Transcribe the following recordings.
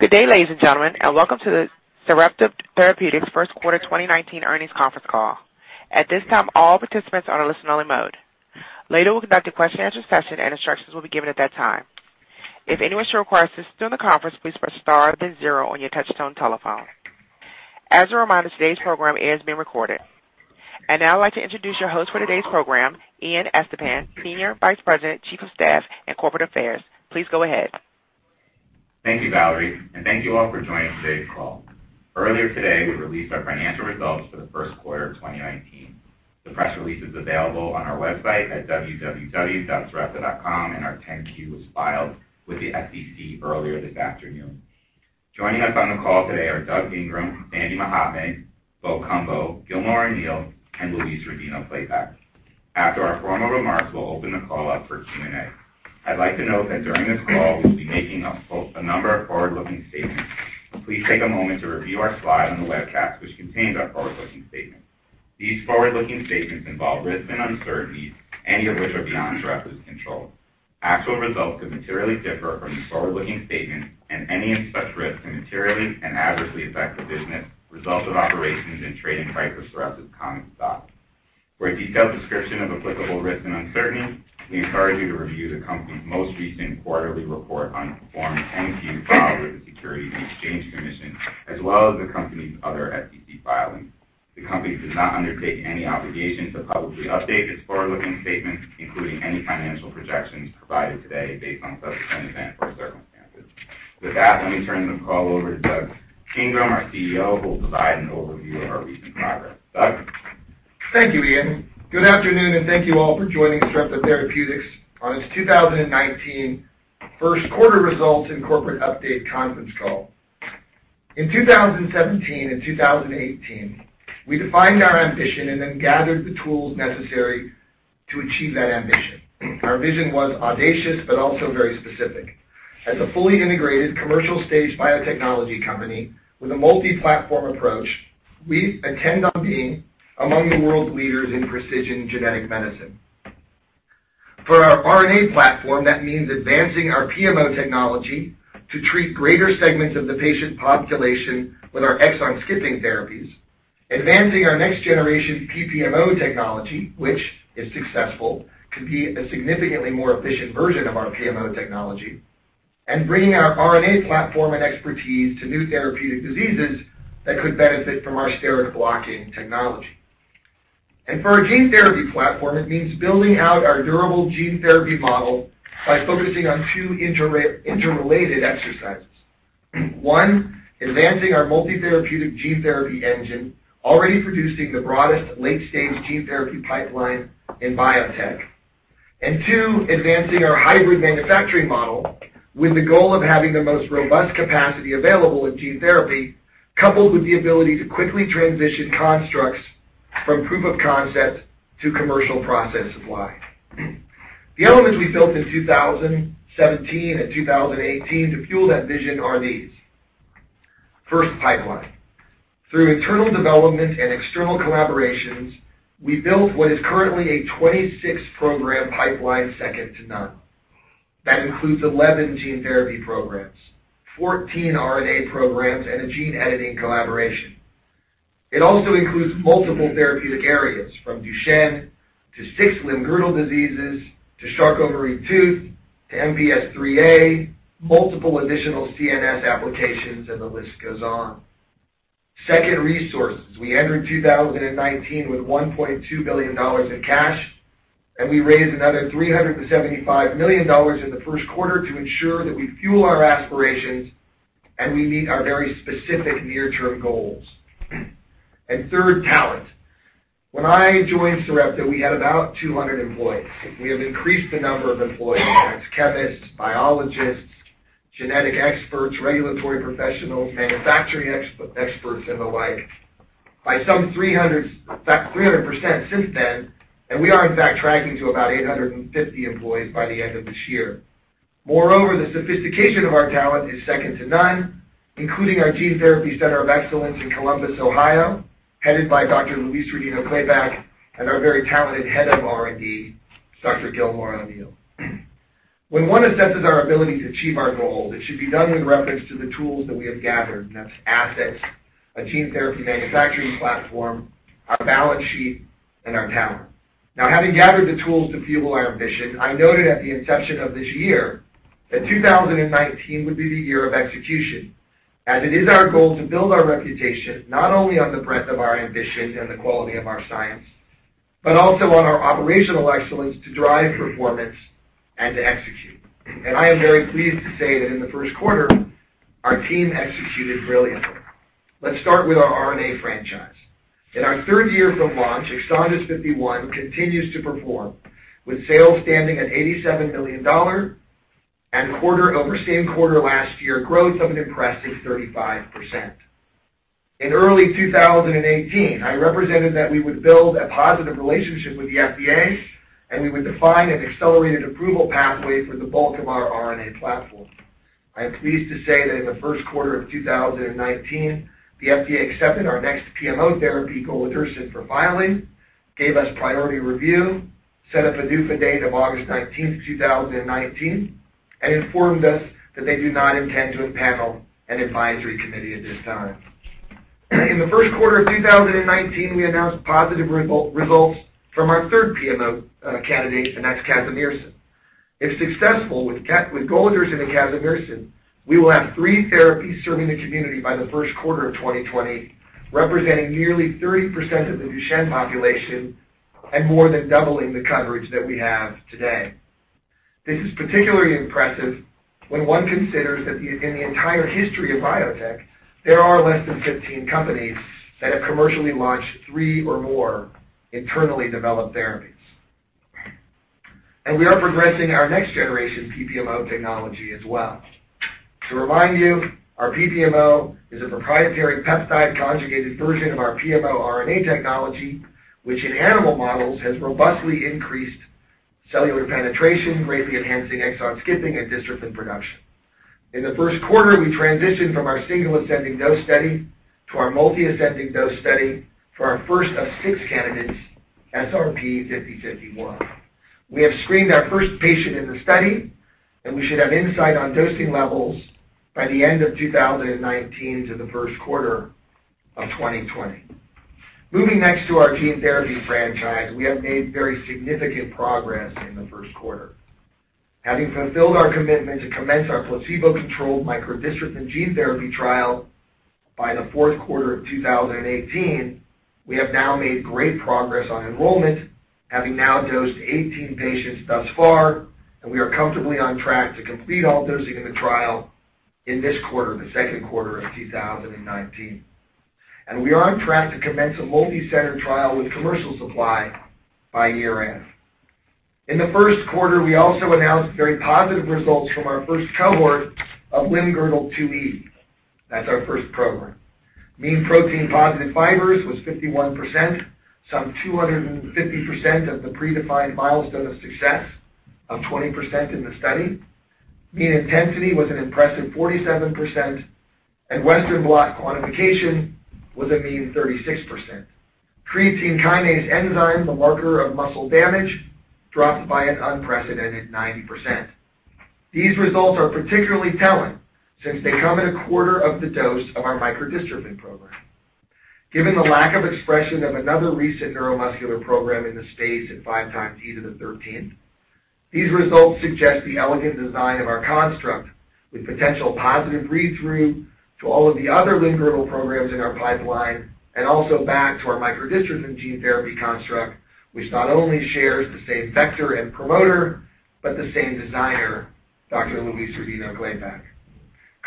Good day, ladies and gentlemen, welcome to the Sarepta Therapeutics First Quarter 2019 Earnings Conference Call. At this time, all participants are in listen-only mode. Later, we'll conduct a question and answer session and instructions will be given at that time. If anyone should require assistance during the conference, please press star then zero on your touchtone telephone. As a reminder, today's program is being recorded. Now I'd like to introduce your host for today's program, Ian Estepan, Senior Vice President, Chief of Staff and Corporate Affairs. Please go ahead. Thank you, Valerie, thank you all for joining today's call. Earlier today, we released our financial results for the first quarter of 2019. The press release is available on our website at www.sarepta.com, our 10-Q was filed with the SEC earlier this afternoon. Joining us on the call today are Doug Ingram, Sandesh Mahatme, Bo Cumbo, Gilmore O'Neill, and Louise Rodino-Klapac. After our formal remarks, we'll open the call up for Q&A. I'd like to note that during this call, we'll be making a number of forward-looking statements. Please take a moment to review our slide on the webcast which contains our forward-looking statement. These forward-looking statements involve risks and uncertainties, any of which are beyond Sarepta's control. Actual results could materially differ from the forward-looking statements and any of such risks can materially and adversely affect the business, results of operations, and trading price of Sarepta's common stock. For a detailed description of applicable risks and uncertainties, we encourage you to review the company's most recent quarterly report on Form 10-Q filed with the Securities and Exchange Commission, as well as the company's other SEC filings. The company does not undertake any obligation to publicly update its forward-looking statements, including any financial projections provided today based on such trend events or circumstances. With that, let me turn the call over to Doug Ingram, our CEO, who will provide an overview of our recent progress. Doug? Thank you, Ian. Good afternoon, thank you all for joining Sarepta Therapeutics on its 2019 first quarter results and corporate update conference call. In 2017 and 2018, we defined our ambition and then gathered the tools necessary to achieve that ambition. Our vision was audacious but also very specific. As a fully integrated commercial stage biotechnology company with a multi-platform approach, we intend on being among the world's leaders in precision genetic medicine. For our RNA platform, that means advancing our PMO technology to treat greater segments of the patient population with our exon-skipping therapies, advancing our next generation PPMO technology, which, if successful, could be a significantly more efficient version of our PMO technology, and bringing our RNA platform and expertise to new therapeutic diseases that could benefit from our steroid-blocking technology. For our gene therapy platform, it means building out our durable gene therapy model by focusing on two interrelated exercises. One, advancing our multi-therapeutic gene therapy engine, already producing the broadest late-stage gene therapy pipeline in biotech. Two, advancing our hybrid manufacturing model with the goal of having the most robust capacity available in gene therapy, coupled with the ability to quickly transition constructs from proof of concept to commercial process supply. The elements we built in 2017 and 2018 to fuel that vision are these. First, pipeline. Through internal development and external collaborations, we built what is currently a 26-program pipeline second to none. That includes 11 gene therapy programs, 14 RNA programs, and a gene editing collaboration. It also includes multiple therapeutic areas, from Duchenne to 6 limb-girdle diseases, to Charcot-Marie-Tooth, to MPS IIIA, multiple additional CNS applications, and the list goes on. Second, resources. We entered 2019 with $1.2 billion in cash, we raised another $375 million in the first quarter to ensure that we fuel our aspirations and we meet our very specific near-term goals. Third, talent. When I joined Sarepta, we had about 200 employees. We have increased the number of employees, that's chemists, biologists, genetic experts, regulatory professionals, manufacturing experts, and the like, by some 300% since then, and we are in fact tracking to about 850 employees by the end of this year. Moreover, the sophistication of our talent is second to none, including our Gene Therapy Center of Excellence in Columbus, Ohio, headed by Dr. Louise Rodino-Klapac and our very talented head of R&D, Dr. Gilmore O'Neill. When one assesses our ability to achieve our goals, it should be done with reference to the tools that we have gathered, and that's assets, a gene therapy manufacturing platform, our balance sheet, and our talent. Having gathered the tools to fuel our ambition, I noted at the inception of this year that 2019 would be the year of execution, as it is our goal to build our reputation not only on the breadth of our ambition and the quality of our science, but also on our operational excellence to drive performance and to execute. I am very pleased to say that in the first quarter, our team executed brilliantly. Let's start with our RNA franchise. In our third year from launch, EXONDYS 51 continues to perform, with sales standing at $87 million and quarter over same quarter last year growth of an impressive 35%. In early 2018, I represented that we would build a positive relationship with the FDA, we would define an accelerated approval pathway for the bulk of our RNA platform. I am pleased to say that in the first quarter of 2019, the FDA accepted our next PMO therapy, golodirsen, for filing, gave us priority review, set up a PDUFA date of August 19th, 2019, and informed us that they do not intend to impanel an advisory committee at this time. In the first quarter of 2019, we announced positive results from our third PMO candidate, and that's casimersen. If successful with golodirsen and casimersen, we will have three therapies serving the community by the first quarter of 2020, representing nearly 30% of the Duchenne population and more than doubling the coverage that we have today. This is particularly impressive when one considers that in the entire history of biotech, there are less than 15 companies that have commercially launched three or more internally developed therapies. We are progressing our next generation PPMO technology as well. To remind you, our PPMO is a proprietary peptide conjugated version of our PMO RNA technology, which in animal models has robustly increased cellular penetration, greatly enhancing exon skipping and dystrophin production. In the first quarter, we transitioned from our single ascending dose study to our multi-ascending dose study for our first of six candidates, SRP-5051. We have screened our first patient in the study, and we should have insight on dosing levels by the end of 2019 to the first quarter of 2020. Moving next to our gene therapy franchise, we have made very significant progress in the first quarter. Having fulfilled our commitment to commence our placebo-controlled microdystrophin gene therapy trial by the fourth quarter of 2018, we have now made great progress on enrollment, having now dosed 18 patients thus far. We are comfortably on track to complete all dosing in the trial in this quarter, the second quarter of 2019. We are on track to commence a multi-center trial with commercial supply by year-end. In the first quarter, we also announced very positive results from our first cohort of limb-girdle 2E. That is our first program. Mean protein positive fibers was 51%, some 250% of the predefined milestone of success of 20% in the study. Mean intensity was an impressive 47%, and western blot quantification was a mean 36%. Creatine kinase enzyme, the marker of muscle damage, dropped by an unprecedented 90%. These results are particularly telling since they come at a quarter of the dose of our microdystrophin program. Given the lack of expression of another recent neuromuscular program in the space at five times E to the 13th, these results suggest the elegant design of our construct with potential positive read-through to all of the other limb-girdle programs in our pipeline, and also back to our microdystrophin gene therapy construct, which not only shares the same vector and promoter, but the same designer, Dr. Louise Rodino-Klapac.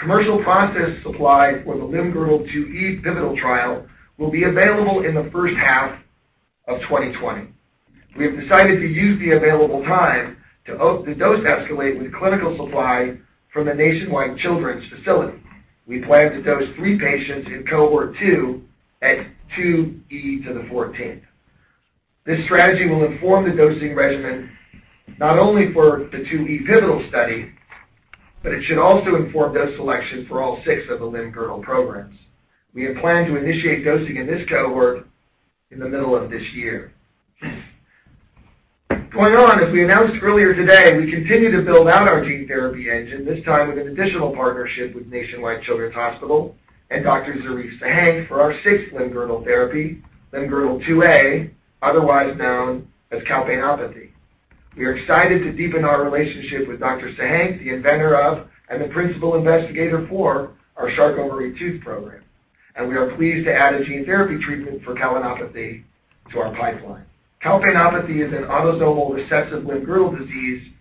Commercial process supply for the limb-girdle 2E pivotal trial will be available in the first half of 2020. We have decided to use the available time to dose escalate with clinical supply from a Nationwide Children's facility. We plan to dose three patients in cohort 2 at 2E to the 14th. This strategy will inform the dosing regimen, not only for the 2E pivotal study, but it should also inform dose selection for all six of the limb-girdle programs. We have planned to initiate dosing in this cohort in the middle of this year. Going on, as we announced earlier today, we continue to build out our gene therapy engine, this time with an additional partnership with Nationwide Children's Hospital and Dr. Zarife Sahenk for our sixth limb-girdle therapy, limb-girdle 2A, otherwise known as calpainopathy. We are excited to deepen our relationship with Dr. Sahenk, the inventor of and the principal investigator for our Charcot-Marie-Tooth program, and we are pleased to add a gene therapy treatment for calpainopathy to our pipeline. Calpainopathy is an autosomal recessive limb-girdle disease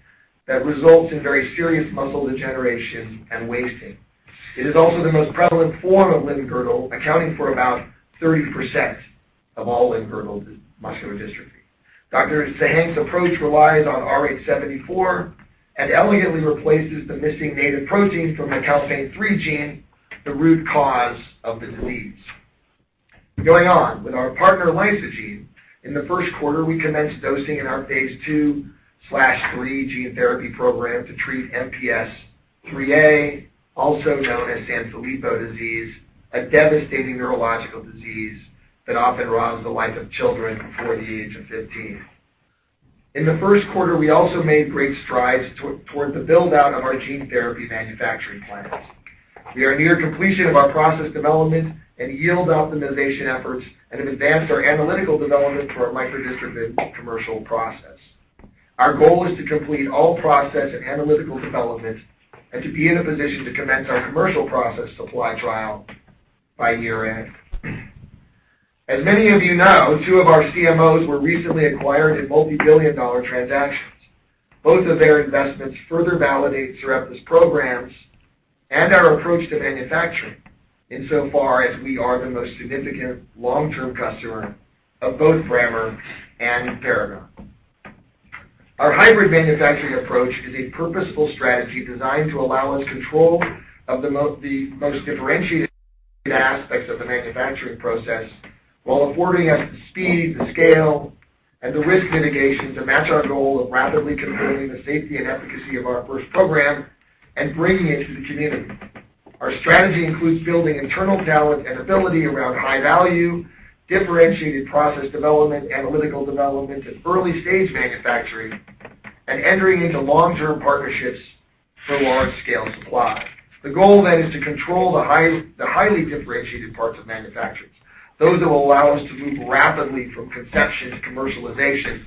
that results in very serious muscle degeneration and wasting. It is also the most prevalent form of limb-girdle, accounting for about 30% of all limb-girdle muscular dystrophy. Dr. Sahenk's approach relies on RH74 and elegantly replaces the missing native proteins from the calpain-3 gene, the root cause of the disease. With our partner Lysogene, in the first quarter, we commenced dosing in our phase II/III gene therapy program to treat MPS IIIA, also known as Sanfilippo syndrome, a devastating neurological disease that often robs the life of children before the age of 15. In the first quarter, we also made great strides toward the build-out of our gene therapy manufacturing plants. We are near completion of our process development and yield optimization efforts and have advanced our analytical development for our microdystrophin commercial process. Our goal is to complete all process and analytical development and to be in a position to commence our commercial process supply trial by year-end. As many of you know, two of our CMOs were recently acquired in multi-billion-dollar transactions. Both of their investments further validate Sarepta's programs and our approach to manufacturing, insofar as we are the most significant long-term customer of both Brammer and Paragon. Our hybrid manufacturing approach is a purposeful strategy designed to allow us control of the most differentiated aspects of the manufacturing process, while affording us the speed, the scale, and the risk mitigation to match our goal of rapidly confirming the safety and efficacy of our first program and bringing it to the community. Our strategy includes building internal talent and ability around high-value, differentiated process development, analytical development, and early-stage manufacturing, and entering into long-term partnerships for large-scale supply. The goal is to control the highly differentiated parts of manufacturing, those that will allow us to move rapidly from conception to commercialization,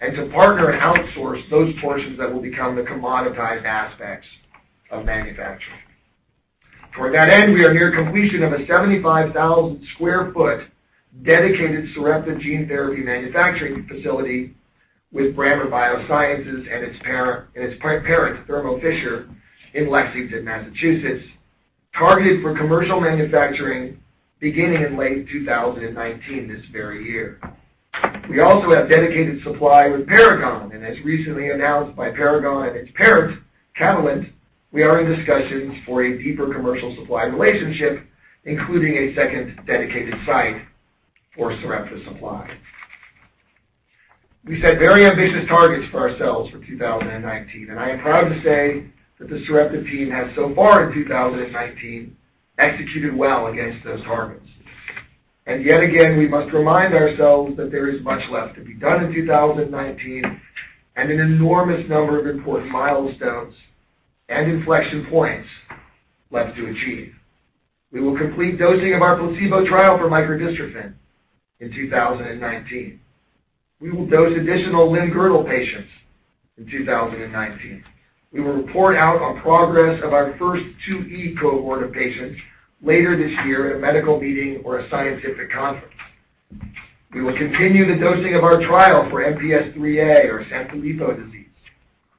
and to partner and outsource those portions that will become the commoditized aspects of manufacturing. Toward that end, we are near completion of a 75,000 sq ft dedicated Sarepta gene therapy manufacturing facility with Brammer Bio and its parent, Thermo Fisher, in Lexington, Massachusetts, targeted for commercial manufacturing beginning in late 2019, this very year. We also have dedicated supply with Paragon, and as recently announced by Paragon and its parent, Catalent, we are in discussions for a deeper commercial supply relationship, including a second dedicated site for Sarepta supply. We set very ambitious targets for ourselves for 2019, and I am proud to say that the Sarepta team has so far in 2019 executed well against those targets. Yet again, we must remind ourselves that there is much left to be done in 2019 and an enormous number of important milestones and inflection points left to achieve. We will complete dosing of our placebo trial for microdystrophin in 2019. We will dose additional limb-girdle patients in 2019. We will report out on progress of our first 2E cohort of patients later this year at a medical meeting or a scientific conference. We will continue the dosing of our trial for MPS IIIA, or Sanfilippo syndrome.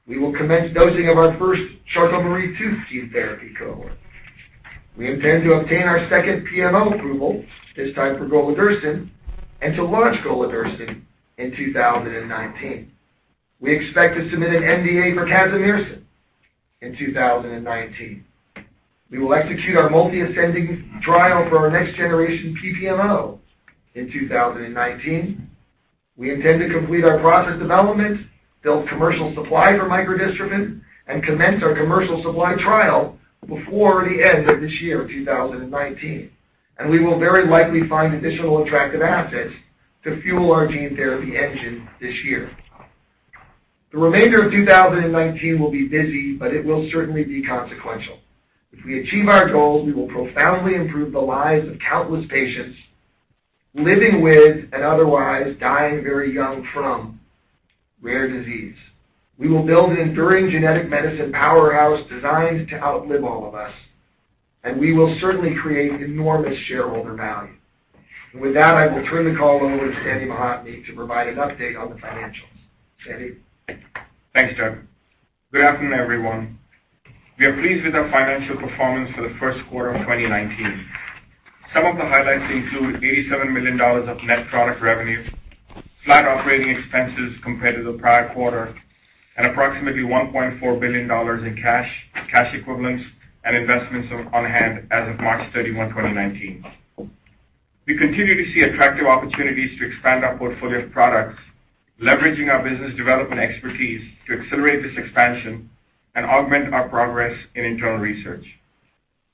We will commence dosing of our first Charcot-Marie-Tooth gene therapy cohort. We intend to obtain our second PMO approval, this time for golodirsen, and to launch golodirsen in 2019. We expect to submit an NDA for casimersen in 2019. We will execute our multi-ascending trial for our next-generation PMO in 2019. We intend to complete our process development, build commercial supply for microdystrophin, and commence our commercial supply trial before the end of this year, 2019. We will very likely find additional attractive assets to fuel our gene therapy engine this year. The remainder of 2019 will be busy, but it will certainly be consequential. If we achieve our goals, we will profoundly improve the lives of countless patients living with and otherwise dying very young from rare disease. We will build an enduring genetic medicine powerhouse designed to outlive all of us, and we will certainly create enormous shareholder value. With that, I will turn the call over to Sandesh Mahatme to provide an update on the financials. Sandy? Thanks, Doug. Good afternoon, everyone. We are pleased with our financial performance for the first quarter of 2019. Some of the highlights include $87 million of net product revenue, flat operating expenses compared to the prior quarter, and approximately $1.4 billion in cash equivalents, and investments on hand as of March 31, 2019. We continue to see attractive opportunities to expand our portfolio of products, leveraging our business development expertise to accelerate this expansion and augment our progress in internal research.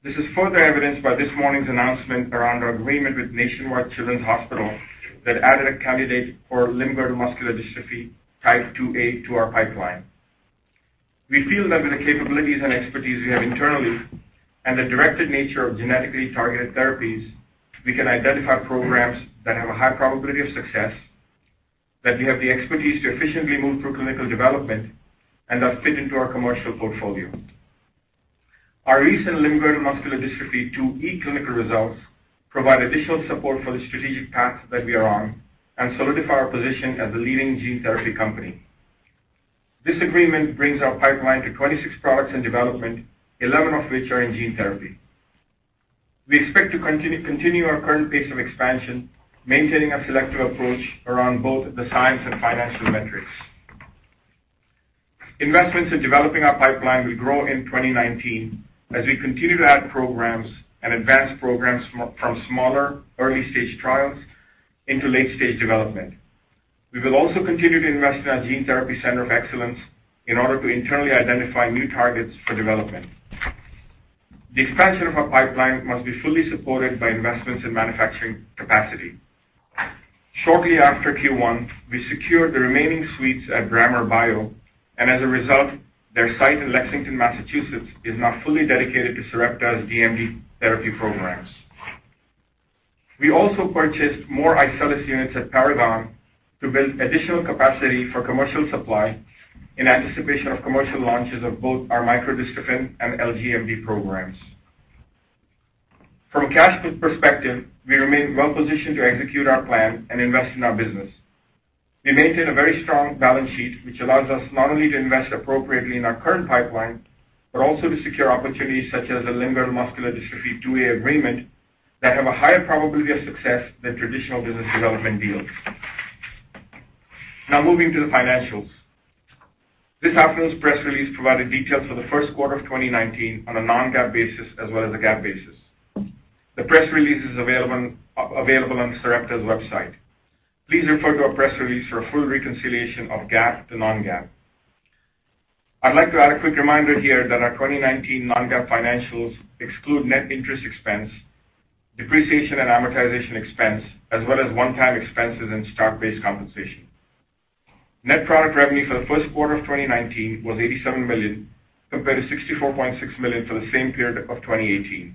This is further evidenced by this morning's announcement around our agreement with Nationwide Children's Hospital that added a candidate for limb-girdle muscular dystrophy type 2A to our pipeline. We feel that with the capabilities and expertise we have internally and the directed nature of genetically targeted therapies, we can identify programs that have a high probability of success, that we have the expertise to efficiently move through clinical development, and that fit into our commercial portfolio. Our recent limb-girdle muscular dystrophy 2E clinical results provide additional support for the strategic path that we are on and solidify our position as a leading gene therapy company. This agreement brings our pipeline to 26 products in development, 11 of which are in gene therapy. We expect to continue our current pace of expansion, maintaining a selective approach around both the science and financial metrics. Investments in developing our pipeline will grow in 2019 as we continue to add programs and advance programs from smaller early-stage trials into late-stage development. We will also continue to invest in our gene therapy center of excellence in order to internally identify new targets for development. The expansion of our pipeline must be fully supported by investments in manufacturing capacity. Shortly after Q1, we secured the remaining suites at Brammer Bio. As a result, their site in Lexington, Massachusetts, is now fully dedicated to Sarepta's DMD therapy programs. We also purchased more iCELLis units at Paragon to build additional capacity for commercial supply in anticipation of commercial launches of both our microdystrophin and LGMD programs. From a cash flow perspective, we remain well-positioned to execute our plan and invest in our business. We maintain a very strong balance sheet, which allows us not only to invest appropriately in our current pipeline, but also to secure opportunities such as the limb-girdle muscular dystrophy type 2A agreement that have a higher probability of success than traditional business development deals. Moving to the financials. This afternoon's press release provided details for the first quarter of 2019 on a non-GAAP basis as well as a GAAP basis. The press release is available on Sarepta's website. Please refer to our press release for a full reconciliation of GAAP to non-GAAP. I'd like to add a quick reminder here that our 2019 non-GAAP financials exclude net interest expense, depreciation, and amortization expense, as well as one-time expenses and stock-based compensation. Net product revenue for the first quarter of 2019 was $87 million, compared to $64.6 million for the same period of 2018.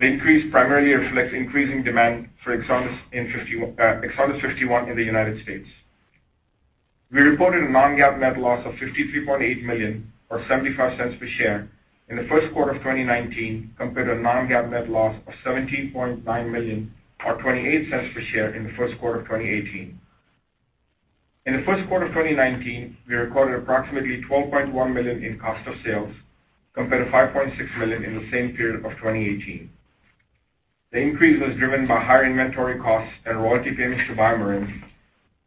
The increase primarily reflects increasing demand for EXONDYS 51 in the U.S. We reported a non-GAAP net loss of $53.8 million, or $0.75 per share, in the first quarter of 2019, compared to a non-GAAP net loss of $17.9 million, or $0.28 per share, in the first quarter of 2018. In the first quarter of 2019, we recorded approximately $12.1 million in cost of sales, compared to $5.6 million in the same period of 2018. The increase was driven by higher inventory costs and royalty payments to BioMarin,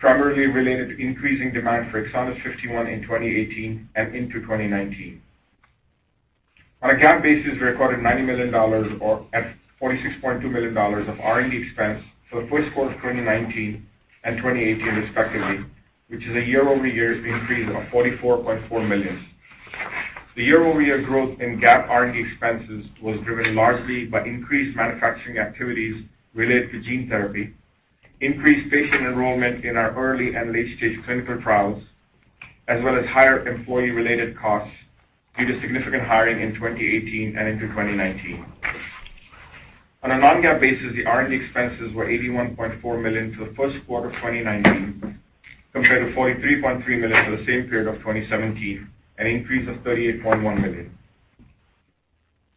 primarily related to increasing demand for EXONDYS 51 in 2018 and into 2019. On a GAAP basis, we recorded $90 million, or $46.2 million of R&D expense for the first quarter of 2019 and 2018, respectively, which is a year-over-year increase of $44.4 million. The year-over-year growth in GAAP R&D expenses was driven largely by increased manufacturing activities related to gene therapy, increased patient enrollment in our early- and late-stage clinical trials, as well as higher employee-related costs due to significant hiring in 2018 and into 2019. On a non-GAAP basis, the R&D expenses were $81.4 million for the first quarter of 2019, compared to $43.3 million for the same period of 2017, an increase of $38.1 million.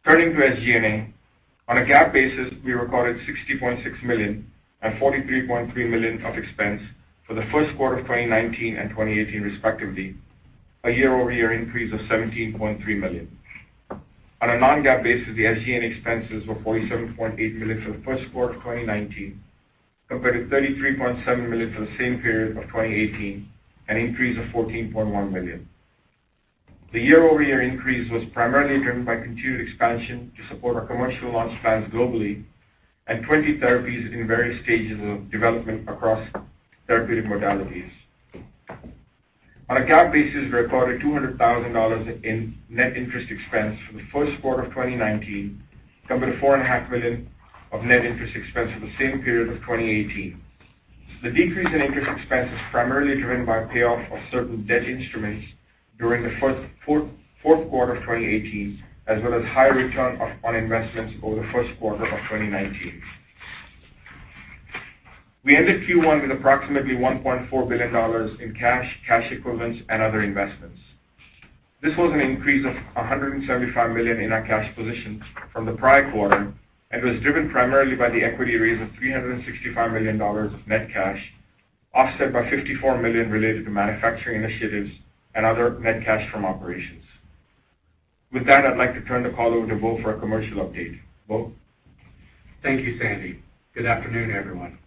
Turning to SG&A. On a GAAP basis, we recorded $60.6 million and $43.3 million of expense for the first quarter of 2019 and 2018, respectively, a year-over-year increase of $17.3 million. On a non-GAAP basis, the SG&A expenses were $47.8 million for the first quarter of 2019, compared to $33.7 million for the same period of 2018, an increase of $14.1 million. The year-over-year increase was primarily driven by continued expansion to support our commercial launch plans globally and 20 therapies in various stages of development across therapeutic modalities. On a GAAP basis, we recorded $200,000 in net interest expense for the first quarter of 2019, compared to $4.5 million of net interest expense for the same period of 2018. The decrease in interest expense is primarily driven by payoff of certain debt instruments during the fourth quarter of 2018, as well as high return on investments over the first quarter of 2019. We ended Q1 with approximately $1.4 billion in cash equivalents, and other investments. This was an increase of $175 million in our cash position from the prior quarter, and was driven primarily by the equity raise of $365 million of net cash, offset by $54 million related to manufacturing initiatives and other net cash from operations. With that, I'd like to turn the call over to Bo for a commercial update. Bo? Thank you, Sandesh. Good afternoon, everyone.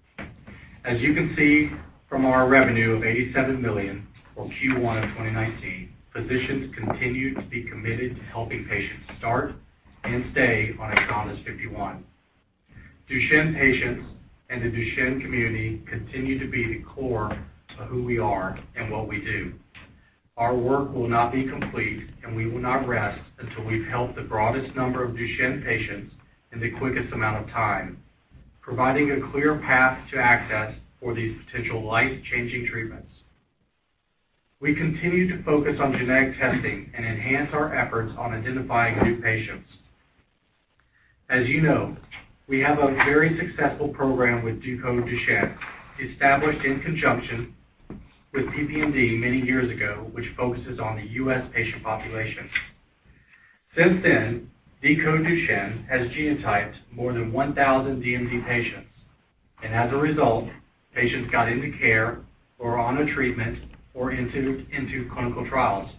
As you can see from our revenue of $87 million for Q1 of 2019, physicians continue to be committed to helping patients start and stay on EXONDYS 51. Duchenne patients and the Duchenne community continue to be the core of who we are and what we do. Our work will not be complete, and we will not rest until we've helped the broadest number of Duchenne patients in the quickest amount of time, providing a clear path to access for these potential life-changing treatments. We continue to focus on genetic testing and enhance our efforts on identifying new patients. As you know, we have a very successful program with Decode Duchenne, established in conjunction with PPMD many years ago, which focuses on the U.S. patient population. Since then, Decode Duchenne has genotyped more than 1,000 DMD patients, and as a result, patients got into care or are on a treatment or into clinical trials.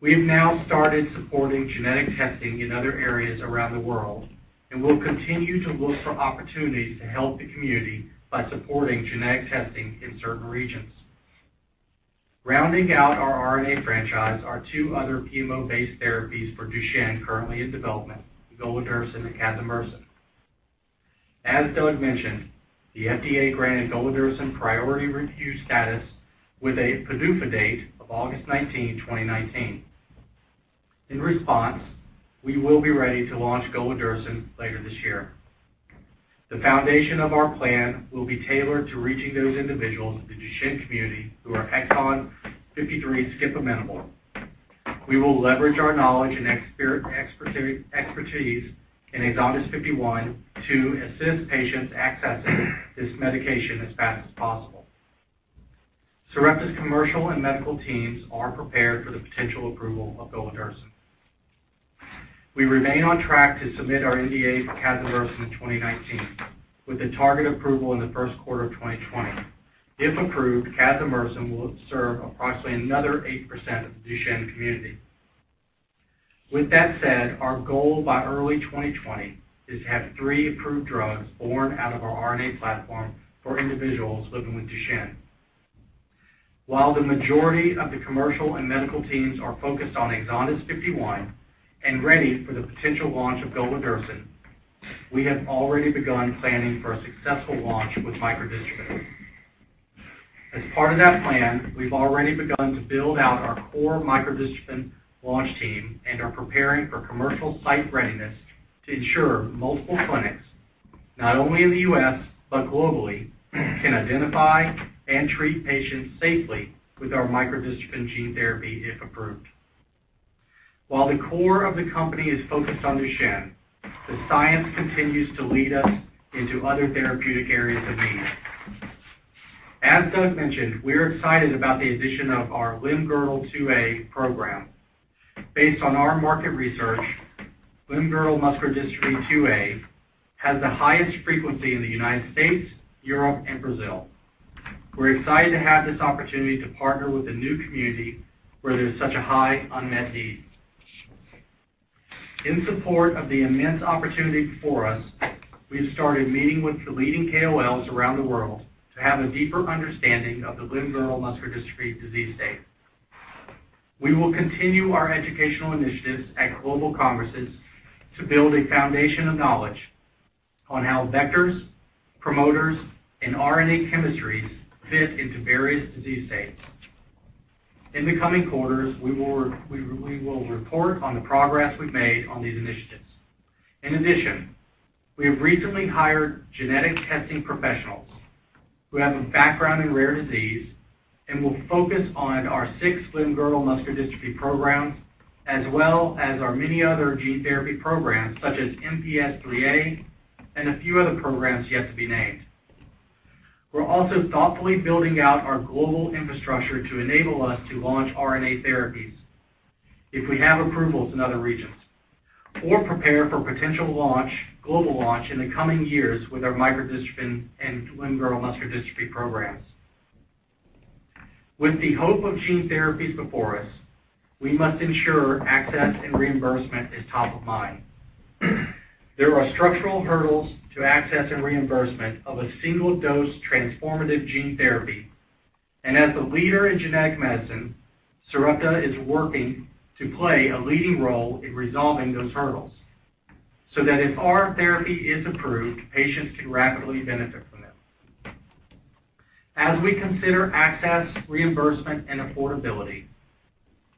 We have now started supporting genetic testing in other areas around the world, and will continue to look for opportunities to help the community by supporting genetic testing in certain regions. Rounding out our RNA franchise are two other PMO-based therapies for Duchenne currently in development, golodirsen and casimersen. As Doug mentioned, the FDA granted golodirsen priority review status with a PDUFA date of August 19, 2019. In response, we will be ready to launch golodirsen later this year. The foundation of our plan will be tailored to reaching those individuals in the Duchenne community who are exon 53 skip amenable. We will leverage our knowledge and expertise in EXONDYS 51 to assist patients accessing this medication as fast as possible. Sarepta's commercial and medical teams are prepared for the potential approval of golodirsen. We remain on track to submit our NDA for casimersen in 2019, with a target approval in the first quarter of 2020. If approved, casimersen will serve approximately another 8% of the Duchenne community. With that said, our goal by early 2020 is to have three approved drugs born out of our RNA platform for individuals living with Duchenne. While the majority of the commercial and medical teams are focused on EXONDYS 51 and ready for the potential launch of golodirsen, we have already begun planning for a successful launch with microdystrophin. As part of that plan, we've already begun to build out our core microdystrophin launch team and are preparing for commercial site readiness to ensure multiple clinics, not only in the U.S. but globally, can identify and treat patients safely with our microdystrophin gene therapy if approved. While the core of the company is focused on Duchenne, the science continues to lead us into other therapeutic areas of need. As Doug mentioned, we're excited about the addition of our limb-girdle 2A program. Based on our market research, limb-girdle muscular dystrophy 2A has the highest frequency in the United States, Europe, and Brazil. We're excited to have this opportunity to partner with a new community where there's such a high unmet need. In support of the immense opportunity before us, we've started meeting with the leading KOLs around the world to have a deeper understanding of the limb-girdle muscular dystrophy disease state. We will continue our educational initiatives at global congresses to build a foundation of knowledge on how vectors, promoters, and RNA chemistries fit into various disease states. In the coming quarters, we will report on the progress we've made on these initiatives. In addition, we have recently hired genetic testing professionals who have a background in rare disease and will focus on our six limb-girdle muscular dystrophy programs, as well as our many other gene therapy programs such as MPS IIIA and a few other programs yet to be named. We're also thoughtfully building out our global infrastructure to enable us to launch RNA therapies if we have approvals in other regions, or prepare for potential global launch in the coming years with our microdystrophin and limb-girdle muscular dystrophy programs. With the hope of gene therapies before us, we must ensure access and reimbursement is top of mind. There are structural hurdles to access and reimbursement of a single-dose transformative gene therapy. As a leader in genetic medicine, Sarepta is working to play a leading role in resolving those hurdles so that if our therapy is approved, patients can rapidly benefit from it. As we consider access, reimbursement, and affordability,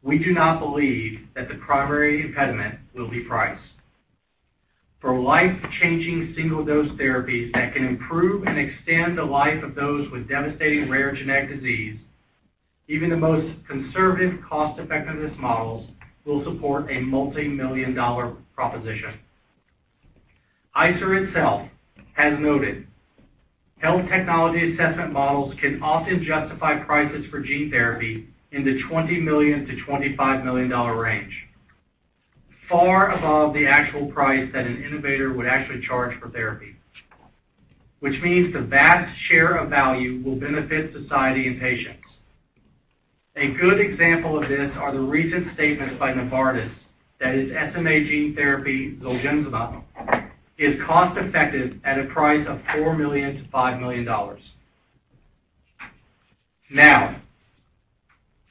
we do not believe that the primary impediment will be price. For life-changing single-dose therapies that can improve and extend the life of those with devastating rare genetic disease, even the most conservative cost-effectiveness models will support a multimillion-dollar proposition. ICER itself has noted health technology assessment models can often justify prices for gene therapy in the $20 million-$25 million range, far above the actual price that an innovator would actually charge for therapy. This means the vast share of value will benefit society and patients. A good example of this are the recent statements by Novartis that its SMA gene therapy, Zolgensma, is cost-effective at a price of $4 million-$5 million.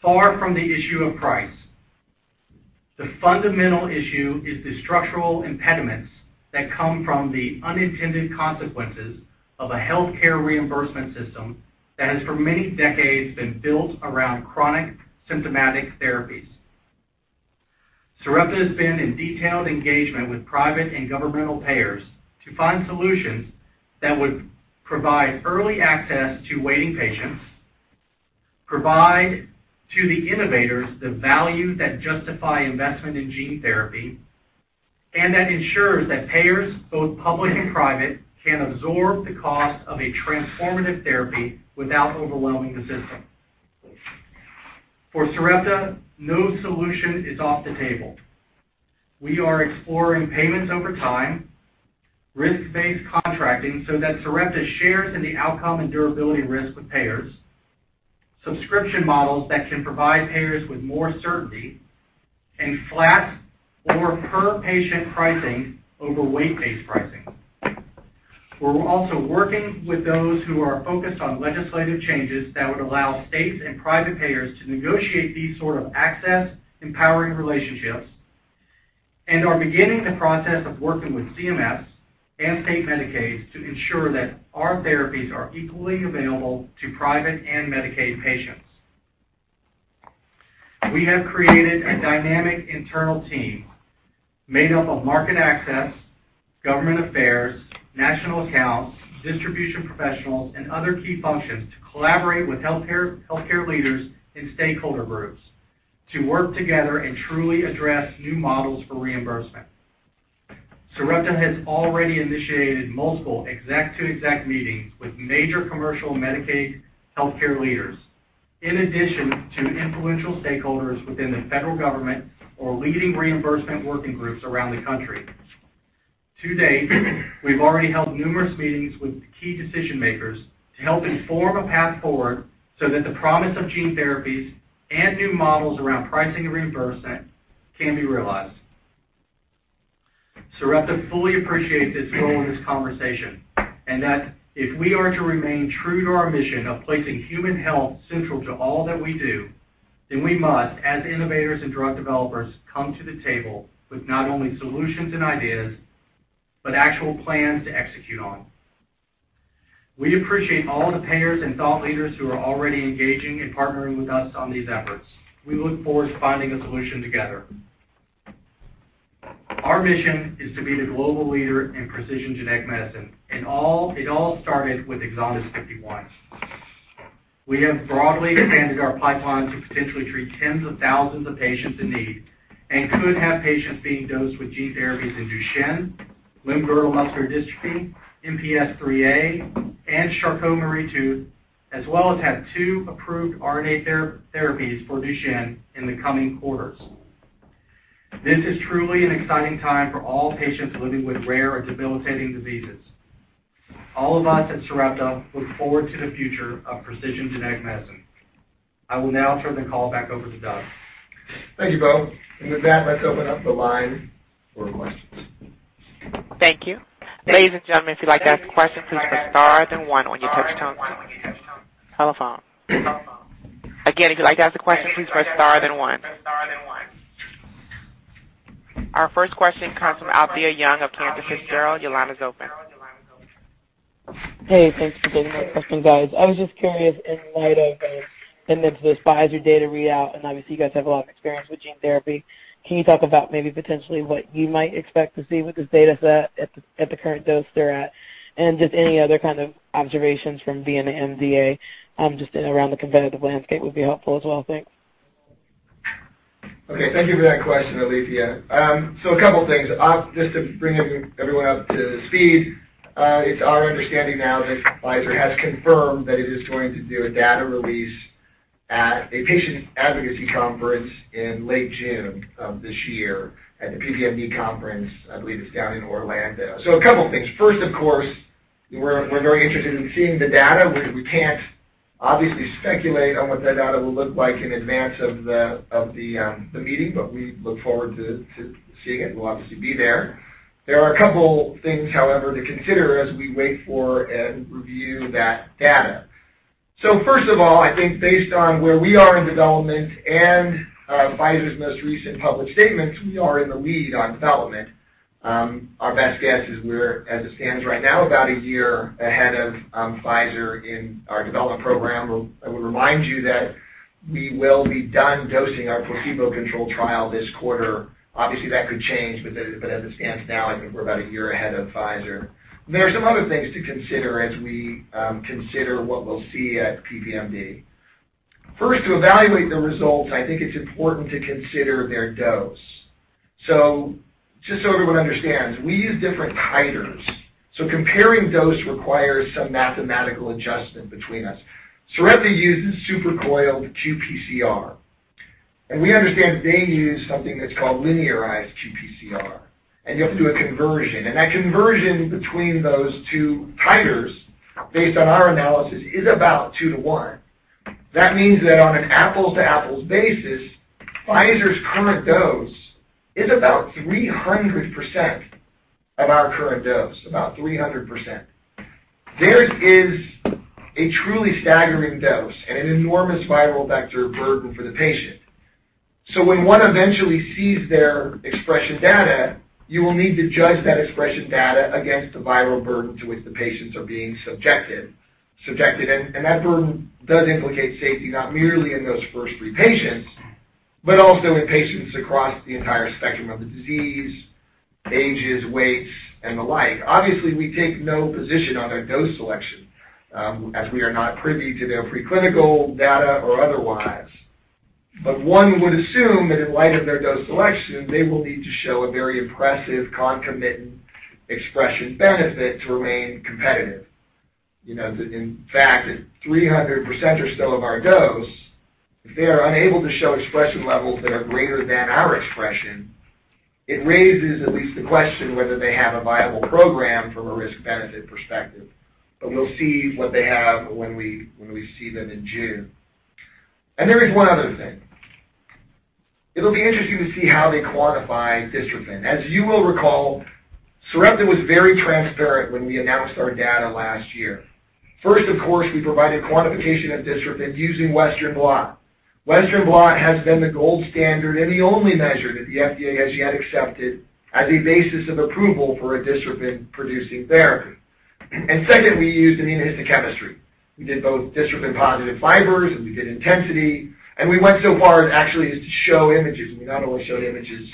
Far from the issue of price, the fundamental issue is the structural impediments that come from the unintended consequences of a healthcare reimbursement system that has for many decades been built around chronic symptomatic therapies. Sarepta has been in detailed engagement with private and governmental payers to find solutions that would provide early access to waiting patients, provide to the innovators the value that justify investment in gene therapy, and that ensures that payers, both public and private, can absorb the cost of a transformative therapy without overwhelming the system. For Sarepta, no solution is off the table. We are exploring payments over time, risk-based contracting so that Sarepta shares in the outcome and durability risk with payers, subscription models that can provide payers with more certainty, and flat or per-patient pricing over weight-based pricing. We're also working with those who are focused on legislative changes that would allow states and private payers to negotiate these sort of access-empowering relationships, and are beginning the process of working with CMS and state Medicaid to ensure that our therapies are equally available to private and Medicaid patients. We have created a dynamic internal team made up of market access, government affairs, national accounts, distribution professionals, and other key functions to collaborate with healthcare leaders and stakeholder groups to work together and truly address new models for reimbursement. Sarepta has already initiated multiple exec-to-exec meetings with major commercial Medicaid healthcare leaders, in addition to influential stakeholders within the federal government or leading reimbursement working groups around the country. To date, we've already held numerous meetings with key decision-makers to help inform a path forward so that the promise of gene therapies and new models around pricing and reimbursement can be realized. Sarepta fully appreciates its role in this conversation, and that if we are to remain true to our mission of placing human health central to all that we do, then we must, as innovators and drug developers, come to the table with not only solutions and ideas, but actual plans to execute on. We appreciate all the payers and thought leaders who are already engaging and partnering with us on these efforts. We look forward to finding a solution together. Our mission is to be the global leader in precision genetic medicine, and it all started with EXONDYS 51. We have broadly expanded our pipeline to potentially treat tens of thousands of patients in need, and could have patients being dosed with gene therapies in Duchenne, limb-girdle muscular dystrophy, MPS IIIA, and Charcot-Marie-Tooth, as well as have two approved RNA therapies for Duchenne in the coming quarters. This is truly an exciting time for all patients living with rare or debilitating diseases. All of us at Sarepta look forward to the future of precision genetic medicine. I will now turn the call back over to Doug. Thank you, Bo. With that, let's open up the line for questions. Thank you. Ladies and gentlemen, if you'd like to ask a question, please press star then one on your touchtone telephone. Again, if you'd like to ask a question, please press star then one. Our first question comes from Alethia Young of Cantor Fitzgerald. Your line is open. Hey, thanks for taking my question, guys. I was just curious, in light of the Pfizer data readout, and obviously you guys have a lot of experience with gene therapy, can you talk about maybe potentially what you might expect to see with this data set at the current dose they're at? And just any other kind of observations from being an MDA, just around the competitive landscape would be helpful as well. Thanks. Okay. Thank you for that question, Alethia. A couple things. Just to bring everyone up to speed, it's our understanding now that Pfizer has confirmed that it is going to do a data release at a patient advocacy conference in late June of this year at the PPMD conference, I believe it's down in Orlando. A couple things. First, of course, we're very interested in seeing the data. We can't obviously speculate on what that data will look like in advance of the meeting, but we look forward to seeing it. We'll obviously be there. There are a couple things, however, to consider as we wait for and review that data. First of all, I think based on where we are in development and Pfizer's most recent public statements, we are in the lead on development. Our best guess is we're, as it stands right now, about a year ahead of Pfizer in our development program. I would remind you that we will be done dosing our placebo control trial this quarter. Obviously, that could change, but as it stands now, I think we're about a year ahead of Pfizer. There are some other things to consider as we consider what we'll see at PPMD. First, to evaluate the results, I think it's important to consider their dose. Just so everyone understands, we use different titers. Comparing dose requires some mathematical adjustment between us. Sarepta uses supercoiled qPCR, and we understand they use something that's called linearized qPCR, and you have to do a conversion. That conversion between those two titers, based on our analysis, is about two to one. That means that on an apples to apples basis, Pfizer's current dose is about 300% of our current dose, about 300%. Theirs is a truly staggering dose and an enormous viral vector burden for the patient. When one eventually sees their expression data, you will need to judge that expression data against the viral burden to which the patients are being subjected. That burden does implicate safety, not merely in those first three patients, but also in patients across the entire spectrum of the disease, ages, weights, and the like. Obviously, we take no position on their dose selection, as we are not privy to their preclinical data or otherwise. One would assume that in light of their dose selection, they will need to show a very impressive concomitant expression benefit to remain competitive. In fact, at 300% or so of our dose, if they are unable to show expression levels that are greater than our expression, it raises at least the question whether they have a viable program from a risk-benefit perspective. We'll see what they have when we see them in June. There is one other thing. It'll be interesting to see how they quantify dystrophin. You will recall, Sarepta was very transparent when we announced our data last year. First, of course, we provided quantification of dystrophin using Western blot. Western blot has been the gold standard and the only measure that the FDA has yet accepted as a basis of approval for a dystrophin-producing therapy. Second, we used immunohistochemistry. We did both dystrophin-positive fibers, and we did intensity, and we went so far as actually to show images. We not only showed images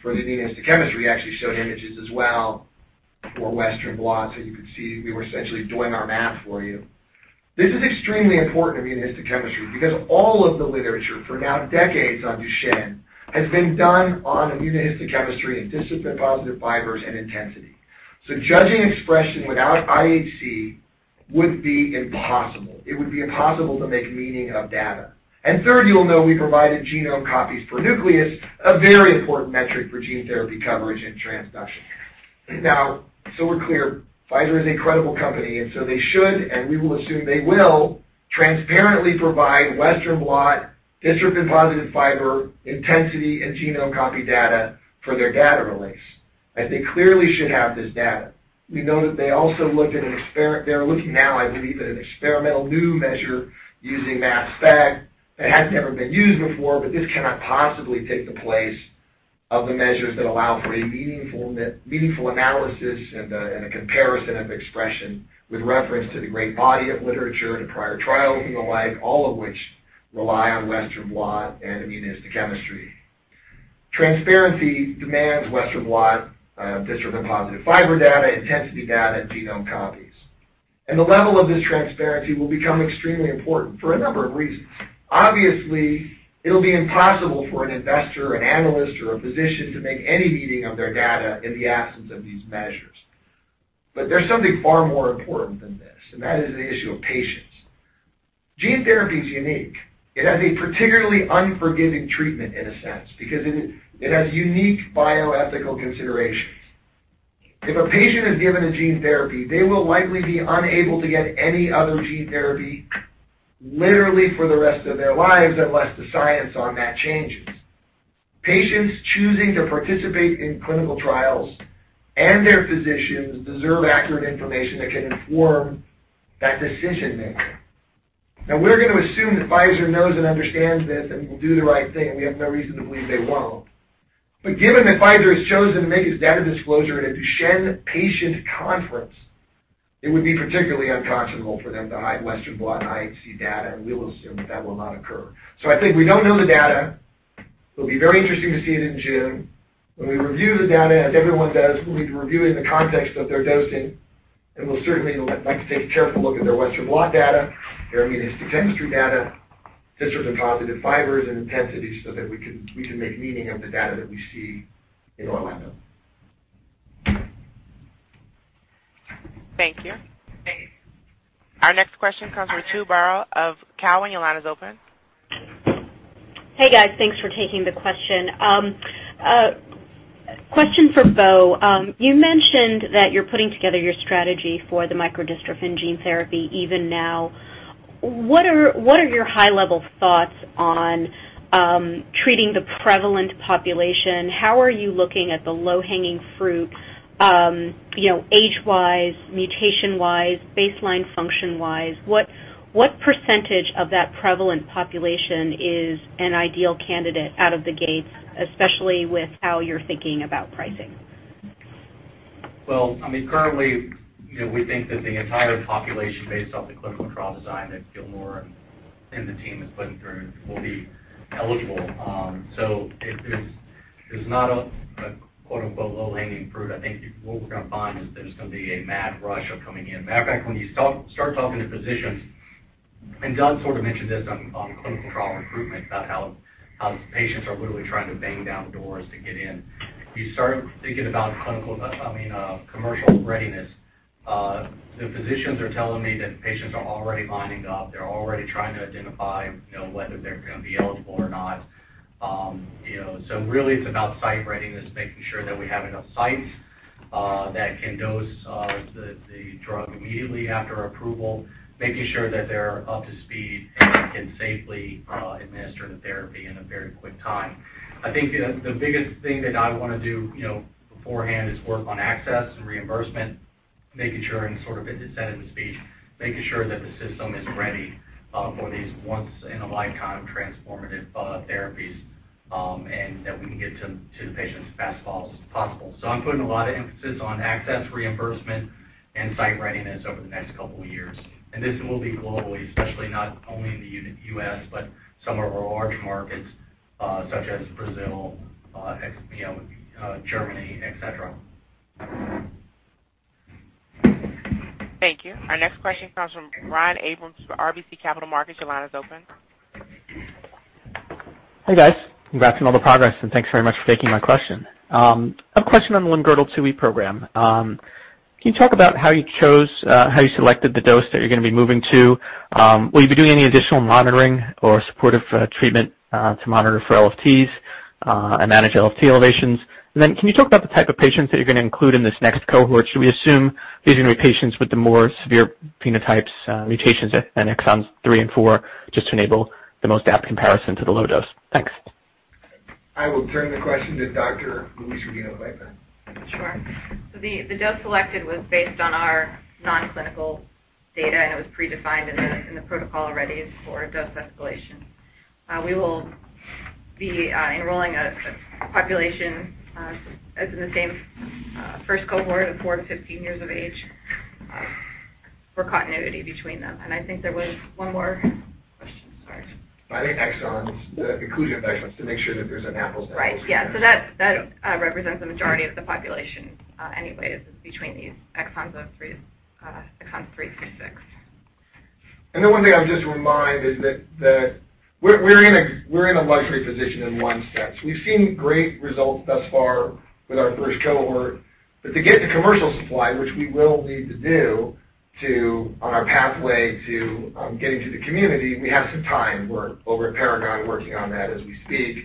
for the immunohistochemistry, we actually showed images as well for Western blot so you could see we were essentially doing our math for you. This is extremely important, immunohistochemistry, because all of the literature for now decades on Duchenne has been done on immunohistochemistry and dystrophin-positive fibers and intensity. Judging expression without IHC would be impossible. It would be impossible to make meaning of data. Third, you'll know we provided genome copies per nucleus, a very important metric for gene therapy coverage and transduction. Now, we're clear, Pfizer is a credible company, and so they should, and we will assume they will transparently provide Western blot dystrophin-positive fiber intensity and genome copy data for their data release, as they clearly should have this data. We know that they're looking now, I believe, at an experimental new measure using mass spec that has never been used before, this cannot possibly take the place of the measures that allow for a meaningful analysis and a comparison of expression with reference to the great body of literature, to prior trials, and the like, all of which rely on western blot and immunohistochemistry. Transparency demands western blot dystrophin-positive fiber data, intensity data, and genome copies. The level of this transparency will become extremely important for a number of reasons. Obviously, it'll be impossible for an investor, an analyst, or a physician to make any meaning of their data in the absence of these measures. There's something far more important than this, and that is the issue of patients. Gene therapy is unique. It has a particularly unforgiving treatment in a sense, because it has unique bioethical considerations. If a patient is given a gene therapy, they will likely be unable to get any other gene therapy literally for the rest of their lives, unless the science on that changes. Patients choosing to participate in clinical trials, and their physicians, deserve accurate information that can inform that decision-making. Now, we're going to assume that Pfizer knows and understands this and will do the right thing, and we have no reason to believe they won't. Given that Pfizer has chosen to make its data disclosure at a Duchenne patient conference, it would be particularly unconscionable for them to hide western blot IHC data, and we will assume that will not occur. I think we don't know the data. It'll be very interesting to see it in June. When we review the data, as everyone does, we'll be reviewing the context of their dosing, and we'll certainly like to take a careful look at their western blot data, their immunohistochemistry data, dystrophin-positive fibers, and intensities so that we can make meaning of the data that we see in Orlando. Thank you. Our next question comes from Ritu Baral of Cowen. Your line is open. Hey, guys. Thanks for taking the question. Question for Bo. You mentioned that you're putting together your strategy for the microdystrophin gene therapy even now. What are your high-level thoughts on treating the prevalent population? How are you looking at the low-hanging fruit age-wise, mutation-wise, baseline function-wise? What % of that prevalent population is an ideal candidate out of the gates, especially with how you're thinking about pricing? Well, currently, we think that the entire population, based off the clinical trial design that Gilmore and the team is putting through, will be eligible. There's not a quote, unquote "low-hanging fruit." I think what we're going to find is there's going to be a mad rush of coming in. Matter of fact, when you start talking to physicians, and John sort of mentioned this on clinical trial recruitment, about how patients are literally trying to bang down the doors to get in. You start thinking about commercial readiness. The physicians are telling me that patients are already lining up. They're already trying to identify whether they're going to be eligible or not. Really, it's about site readiness, making sure that we have enough sites that can dose the drug immediately after approval, making sure that they're up to speed and can safely administer the therapy in a very quick time. I think the biggest thing that I want to do beforehand is work on access and reimbursement, making sure any sort of incentive is made, making sure that the system is ready for these once-in-a-lifetime transformative therapies, and that we can get to the patients as fast as possible. I'm putting a lot of emphasis on access reimbursement and site readiness over the next couple of years. This will be globally, especially not only in the U.S., but some of our large markets such as Brazil, Germany, et cetera. Thank you. Our next question comes from Brian Abrahams for RBC Capital Markets. Your line is open. Hey, guys. Congrats on all the progress, and thanks very much for taking my question. A question on the LGMD2E program. Can you talk about how you selected the dose that you're going to be moving to? Will you be doing any additional monitoring or supportive treatment to monitor for LFTs and manage LFT elevations? Can you talk about the type of patients that you're going to include in this next cohort? Should we assume these are going to be patients with the more severe phenotypes mutations in exons three and four just to enable the most apt comparison to the low dose? Thanks. I will turn the question to Dr. Louise or Gena. Either. Sure. The dose selected was based on our non-clinical data, and it was predefined in the protocol already for dose escalation. We will be enrolling a population as in the same first cohort of four to 15 years of age for continuity between them. I think there was one more question. Sorry. I think exons, the inclusion of exons to make sure that there's an apples to apples comparison. Right. Yeah. That represents the majority of the population anyways, between these exons of three through six. The one thing I'll just remind is that we're in a luxury position in one sense. We've seen great results thus far with our first cohort. To get to commercial supply, which we will need to do on our pathway to getting to the community, we have some time. We're over at Paragon working on that as we speak.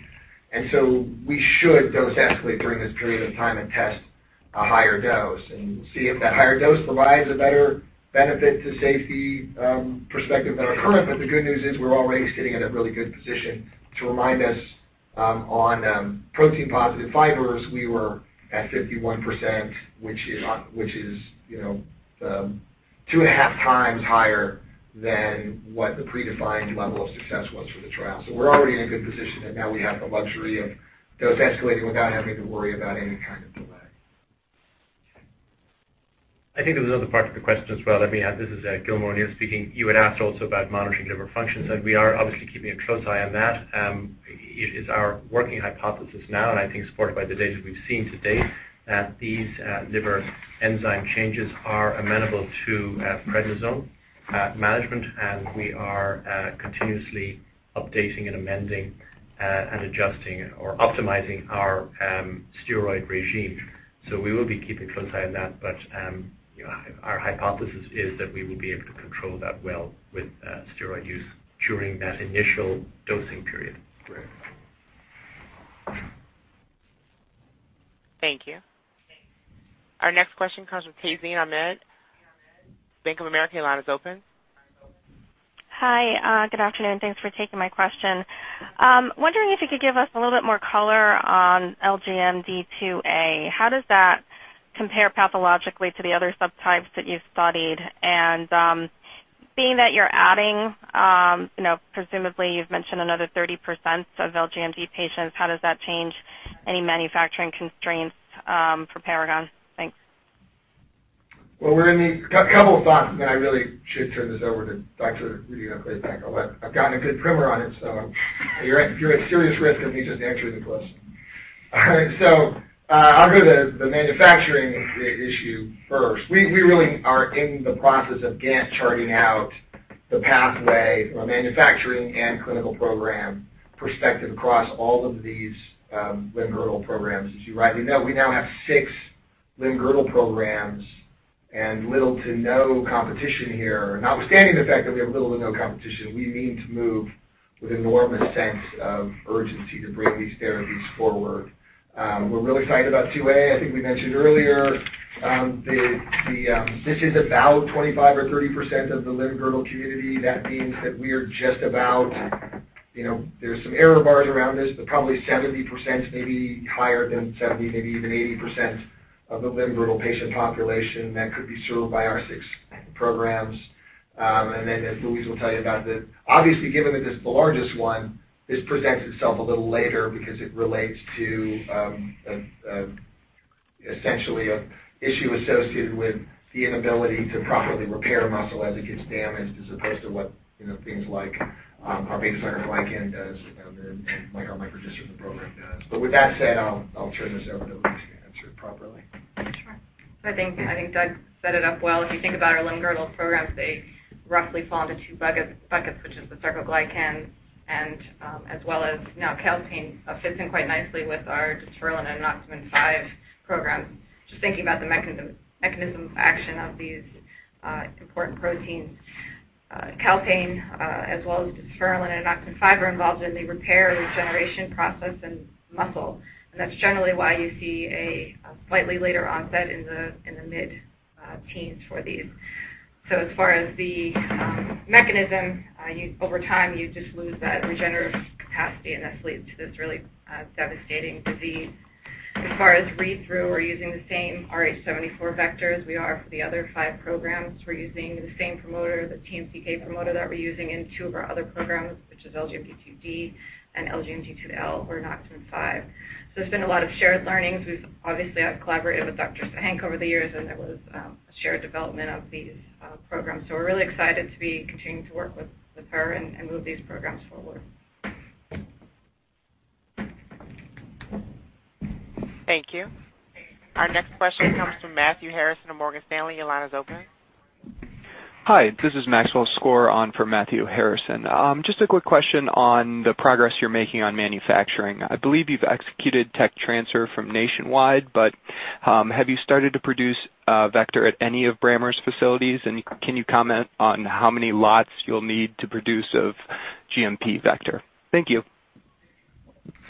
We should dose escalate during this period of time and test a higher dose and see if that higher dose provides a better benefit to safety perspective than our current. The good news is we're already sitting in a really good position to remind us on protein positive fibers, we were at 51%, which is two and a half times higher than what the predefined level of success was for the trial. We're already in a good position, and now we have the luxury of dose escalating without having to worry about any kind of delay. I think there's another part to the question as well. This is Gilmore speaking. You had asked also about monitoring liver functions, and we are obviously keeping a close eye on that. It is our working hypothesis now, and I think it's supported by the data we've seen to date, that these liver enzyme changes are amenable to prednisone management, and we are continuously updating and amending and adjusting or optimizing our steroid regime. We will be keeping a close eye on that. Our hypothesis is that we will be able to control that well with steroid use during that initial dosing period. Great. Thank you. Our next question comes from Tazeen Ahmad. Bank of America, your line is open. Hi. Good afternoon. Thanks for taking my question. Wondering if you could give us a little bit more color on LGMD2A. How does that compare pathologically to the other subtypes that you've studied? Being that you're adding, presumably you've mentioned another 30% of LGMD patients, how does that change any manufacturing constraints for Paragon? Thanks. Well, we're in the couple of thoughts, then I really should turn this over to Dr. Rodino-Klapac. I've gotten a good primer on it, you're at serious risk of me just answering the question. I'll go to the manufacturing issue first. We really are in the process of Gantt charting out the pathway from a manufacturing and clinical program perspective across all of these limb-girdle programs. As you rightly know, we now have six limb-girdle programs and little to no competition here. Notwithstanding the fact that we have little to no competition, we need to move with enormous sense of urgency to bring these therapies forward. We're really excited about 2A. I think we mentioned earlier, this is about 25% or 30% of the limb-girdle community. That means that we are just about, there's some error bars around this, but probably 70%, maybe higher than 70%, maybe even 80% of the limb-girdle patient population that could be served by our six programs. As Luis will tell you about, obviously given that this is the largest one, this presents itself a little later because it relates to essentially an issue associated with the inability to properly repair muscle as it gets damaged as opposed to what things like our beta-sarcoglycan does, and like our microdystrophin program does. With that said, I'll turn this over to Luis to answer it properly. Sure. I think Doug set it up well. If you think about our limb-girdle programs, they roughly fall into two buckets, which is the sarcoglycan, and as well as now calpain fits in quite nicely with our dystrophin and anoctamin 5 programs. Just thinking about the mechanism of action of these important proteins. Calpain as well as dystrophin and anoctamin 5 are involved in the repair and regeneration process in muscle. That's generally why you see a slightly later onset in the mid-teens for these. As far as the mechanism, over time, you just lose that regenerative capacity, and that leads to this really devastating disease. As far as read-through, we're using the same RH74 vectors we are for the other five programs. We're using the same promoter, the tMCK promoter that we're using in two of our other programs, which is LGMD2D and LGMD2L or anoctamin 5. There's been a lot of shared learnings. We've obviously collaborated with Dr. Sahenk over the years, and there was a shared development of these programs. We're really excited to be continuing to work with her and move these programs forward. Thank you. Our next question comes from Matthew Harrison of Morgan Stanley. Your line is open. Hi, this is Maxwell Skor on for Matthew Harrison. Just a quick question on the progress you're making on manufacturing. I believe you've executed tech transfer from Nationwide, but have you started to produce vector at any of Brammer's facilities? Can you comment on how many lots you'll need to produce of GMP vector? Thank you.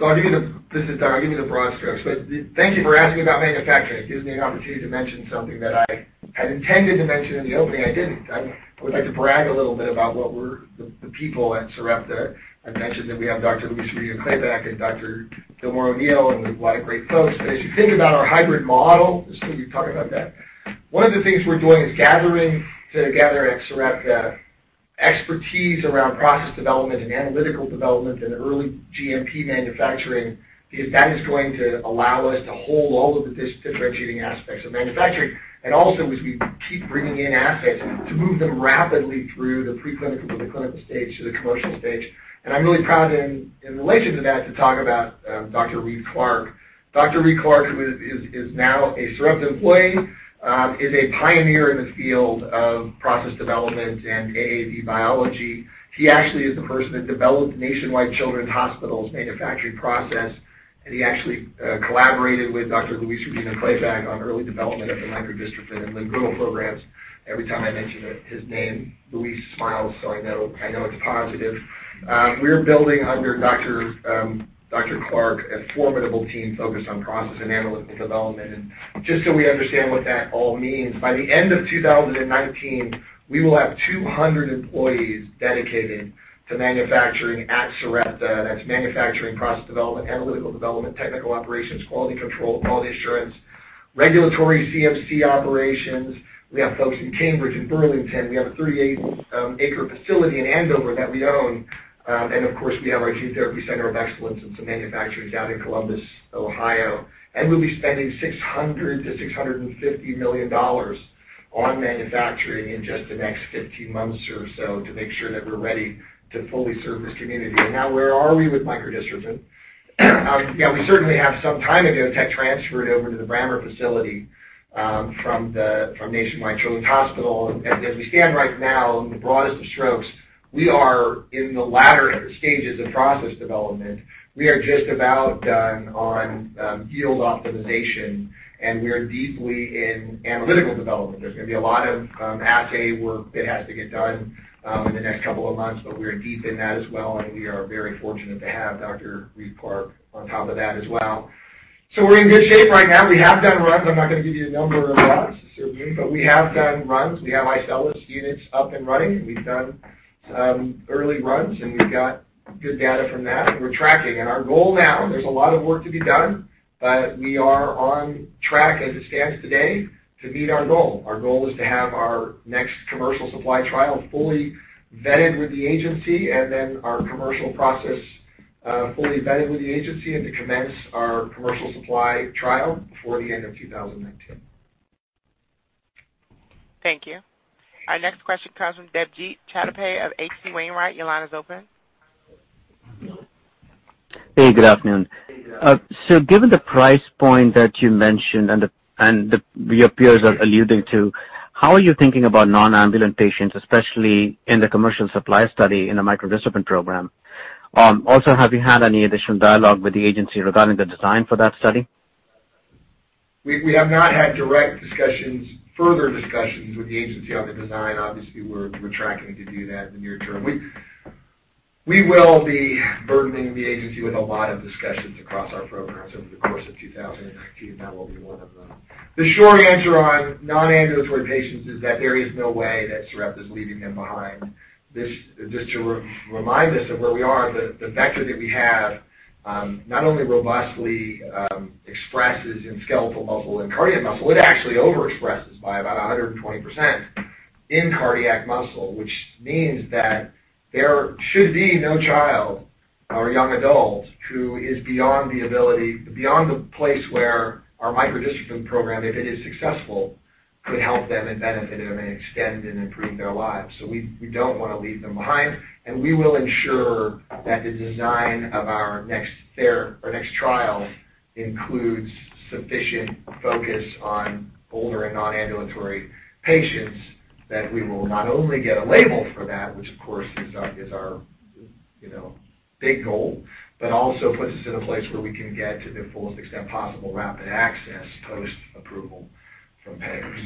I'll give you the broad strokes, but thank you for asking about manufacturing. It gives me an opportunity to mention something that I had intended to mention in the opening. I didn't. I would like to brag a little bit about the people at Sarepta. I mentioned that we have Dr. Louise Rodino-Klapac and Dr. Gilmore O'Neill and a lot of great folks. As you think about our hybrid model, we talk about that. One of the things we're doing is gathering together at Sarepta expertise around process development and analytical development and early GMP manufacturing, because that is going to allow us to hold all of the differentiating aspects of manufacturing. Also, as we keep bringing in assets to move them rapidly through the preclinical to the clinical stage to the commercial stage. I'm really proud in relation to that, to talk about Dr. Reed Clark. Dr. Reed Clark, who is now a Sarepta employee, is a pioneer in the field of process development and AAV biology. He actually is the person that developed Nationwide Children's Hospital's manufacturing process, and he actually collaborated with Dr. Louise Rodino-Klapac on early development of the microdystrophin and limb-girdle programs. Every time I mention his name, Luis smiles, so I know it's positive. We're building under Dr. Clark, a formidable team focused on process and analytical development. Just so we understand what that all means, by the end of 2019, we will have 200 employees dedicated to manufacturing at Sarepta. That's manufacturing, process development, analytical development, technical operations, quality control, quality assurance, regulatory CMC operations. We have folks in Cambridge and Burlington. We have a 38-acre facility in Andover that we own. Of course, we have our gene therapy center of excellence and some manufacturing out in Columbus, Ohio. We'll be spending $600 million-$650 million on manufacturing in just the next 15 months or so to make sure that we're ready to fully serve this community. Now where are we with microdystrophin? We certainly have some time ago tech transferred over to the Brammer facility from Nationwide Children's Hospital. As we stand right now, in the broadest of strokes, we are in the latter stages of process development. We are just about done on field optimization, and we are deeply in analytical development. There's going to be a lot of assay work that has to get done in the next couple of months, but we are deep in that as well, and we are very fortunate to have Dr. Reed Clark on top of that as well. We're in good shape right now. We have done runs. I'm not going to give you a number of runs, certainly, but we have done runs. We have iCELLis units up and running, and we've done early runs, and we've got good data from that, and we're tracking. Our goal now, there's a lot of work to be done, but we are on track as it stands today to meet our goal. Our goal is to have our next commercial supply trial fully vetted with the agency, and then our commercial process fully vetted with the agency, and to commence our commercial supply trial before the end of 2019. Thank you. Our next question comes from Debjit Chattopadhyay of H.C. Wainwright & Co. Your line is open. Hey, good afternoon. Given the price point that you mentioned and your peers are alluding to, how are you thinking about non-ambulant patients, especially in the commercial supply study in the microdystrophin program? Also, have you had any additional dialogue with the agency regarding the design for that study? We have not had direct discussions, further discussions with the agency on the design. We're tracking to do that in the near term. We will be burdening the agency with a lot of discussions across our programs over the course of 2019. That will be one of them. The short answer on non-ambulatory patients is that there is no way that Sarepta is leaving them behind. Just to remind us of where we are, the vector that we have not only robustly expresses in skeletal muscle and cardiac muscle, it actually overexpresses by about 120% in cardiac muscle, which means that there should be no child or young adult who is beyond the place where our microdystrophin program, if it is successful, could help them and benefit them and extend and improve their lives. We don't want to leave them behind, and we will ensure that the design of our next trial includes sufficient focus on older and non-ambulatory patients, that we will not only get a label for that, which of course is our big goal, but also puts us in a place where we can get to the fullest extent possible rapid access post-approval from payers.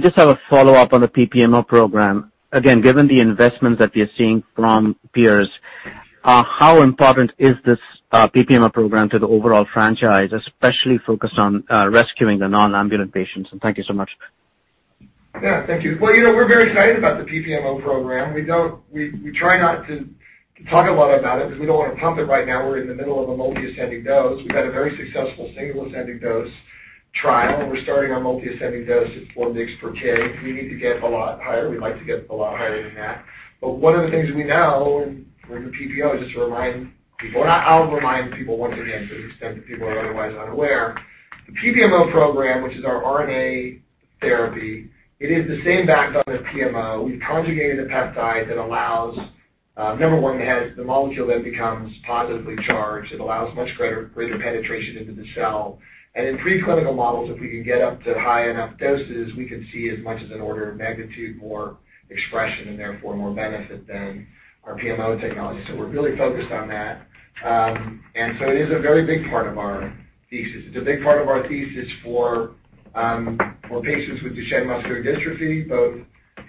Just have a follow-up on the PPMO program. Again, given the investments that we are seeing from peers, how important is this PPMO program to the overall franchise, especially focused on rescuing the non-ambulant patients? Thank you so much. Thank you. Well, we're very excited about the PPMO program. We try not to talk a lot about it because we don't want to pump it right now. We're in the middle of a multi-ascending-dose. We've had a very successful single-ascending-dose trial, and we're starting our multi-ascending-dose. It's 4 mg/kg. We need to get a lot higher. We'd like to get a lot higher than that. One of the things we know in the PPMO, just to remind people, and I'll remind people once again, to the extent that people are otherwise unaware, the PPMO program, which is our RNA therapy, it is the same backbone as PMO. We've conjugated a peptide that allows, number 1, it has the molecule then becomes positively charged. It allows much greater penetration into the cell. In preclinical models, if we can get up to high enough doses, we can see as much as an order of magnitude more expression and therefore more benefit than our PMO technology. We're really focused on that. It is a very big part of our thesis. It's a big part of our thesis for patients with Duchenne muscular dystrophy, both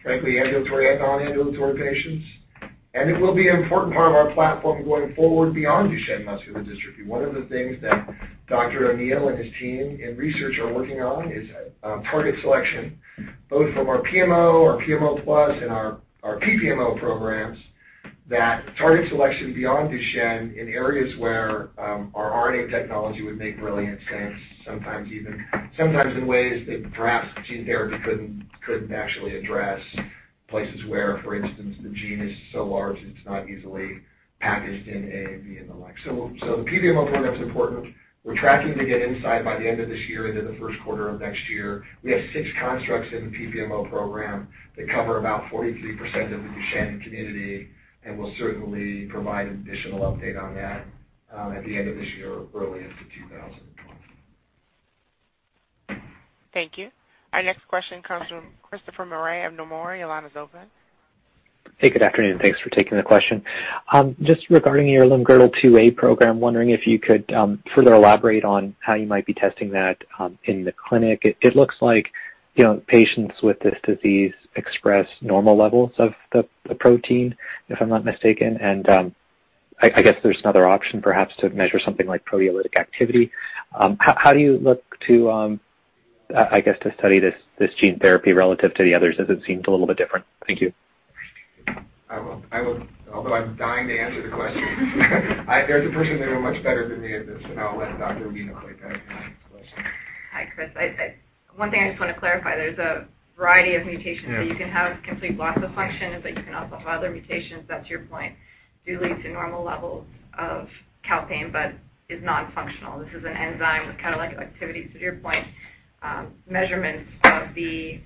frankly ambulatory and non-ambulatory patients. It will be an important part of our platform going forward beyond Duchenne muscular dystrophy. One of the things that Dr. O'Neill and his team in research are working on is target selection, both from our PMO, our PMO+, and our PPMO programs, that target selection beyond Duchenne in areas where our RNA technology would make brilliant sense, sometimes in ways that perhaps gene therapy couldn't actually address. Places where, for instance, the gene is so large, it's not easily packaged in AAV and the like. The PPMO program's important. We're tracking to get insight by the end of this year into the first quarter of next year. We have six constructs in the PPMO program that cover about 43% of the Duchenne community, and we'll certainly provide an additional update on that at the end of this year or early into 2020. Thank you. Our next question comes from Christopher Morrey of Nomura. Your line is open. Hey, good afternoon. Thanks for taking the question. Just regarding your Limb-Girdle 2A program, wondering if you could further elaborate on how you might be testing that in the clinic. It looks like patients with this disease express normal levels of the protein, if I'm not mistaken, and I guess there's another option perhaps to measure something like proteolytic activity. How do you look to study this gene therapy relative to the others, as it seems a little bit different? Thank you. Although I'm dying to answer the question there's a person here who much better than me at this, and I'll let Dr. Rodino-Klapac answer that question. Hi, Chris. One thing I just want to clarify, there's a variety of mutations that you can have complete loss of function, but you can also have other mutations, that's your point, do lead to normal levels of calpain, but is non-functional. This is an enzyme with catalytic activity. To your point, measurements of the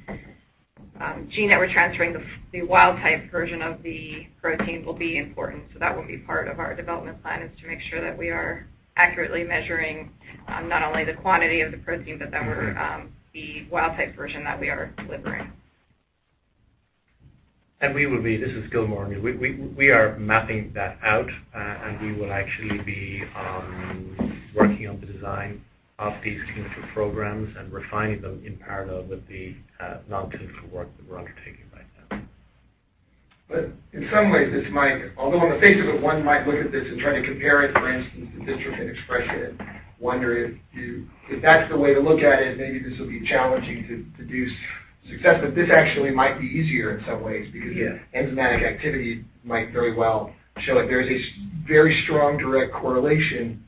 gene that we're transferring, the wild type version of the protein will be important. That will be part of our development plan is to make sure that we are accurately measuring not only the quantity of the protein, but that the wild type version that we are delivering. Gilmore. We are mapping that out, we will actually be working on the design of these clinical programs and refining them in parallel with the non-clinical work that we're undertaking right now. In some ways, although on the face of it, one might look at this and try to compare it, for instance, to dystrophin expression, wonder if that's the way to look at it, maybe this will be challenging to deduce success. This actually might be easier in some ways because enzymatic activity might very well show there is a very strong direct correlation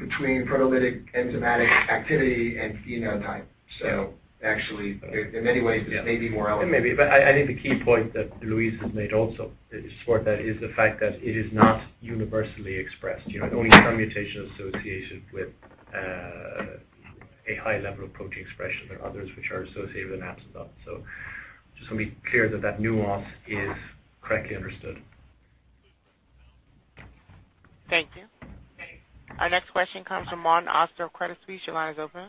between proteolytic enzymatic activity and phenotype. Actually, in many ways, this may be more elegant. It may be, I think the key point that Louise has made also is the fact that it is not universally expressed. Only some mutations associated with a high level of protein expression. There are others which are associated and absent. Just want to be clear that that nuance is correctly understood. Thank you. Our next question comes from Mark Ostrem, Credit Suisse. Your line is open.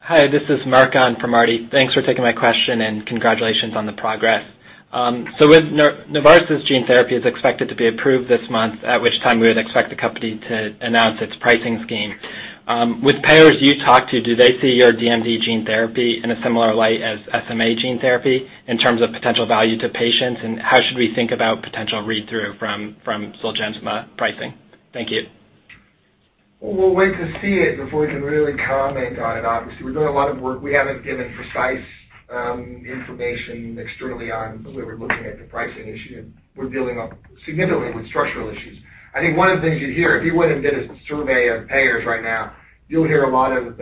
Hi, this is Mark on for Marty. Thanks for taking my question, and congratulations on the progress. With Novartis gene therapy is expected to be approved this month, at which time we would expect the company to announce its pricing scheme. With payers you talk to, do they see your DMD gene therapy in a similar light as SMA gene therapy in terms of potential value to patients? How should we think about potential read-through from ZOLGENSMA pricing? Thank you. We'll wait to see it before we can really comment on it, obviously. We're doing a lot of work. We haven't given precise information externally on the way we're looking at the pricing issue, and we're dealing significantly with structural issues. I think one of the things you'd hear, if you went and did a survey of payers right now, you'll hear a lot of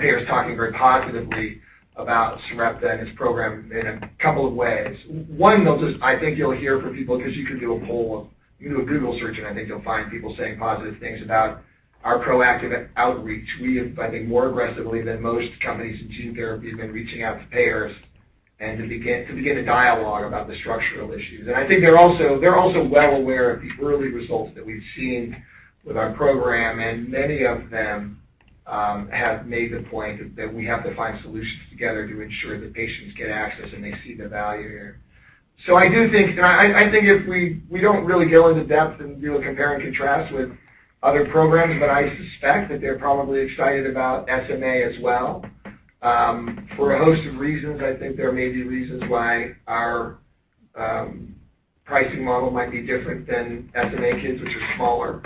payers talking very positively about Sarepta and its program in a couple of ways. One, I think you'll hear from people, because you could do a poll, you can do a Google search, and I think you'll find people saying positive things about our proactive outreach. We have, I think, more aggressively than most companies in gene therapy, been reaching out to payers to begin a dialogue about the structural issues. I think they're also well aware of the early results that we've seen with our program, and many of them have made the point that we have to find solutions together to ensure that patients get access, and they see the value here. I think if we don't really go into depth and do a compare and contrast with other programs, but I suspect that they're probably excited about SMA as well. For a host of reasons, I think there may be reasons why our pricing model might be different than SMA kids, which are smaller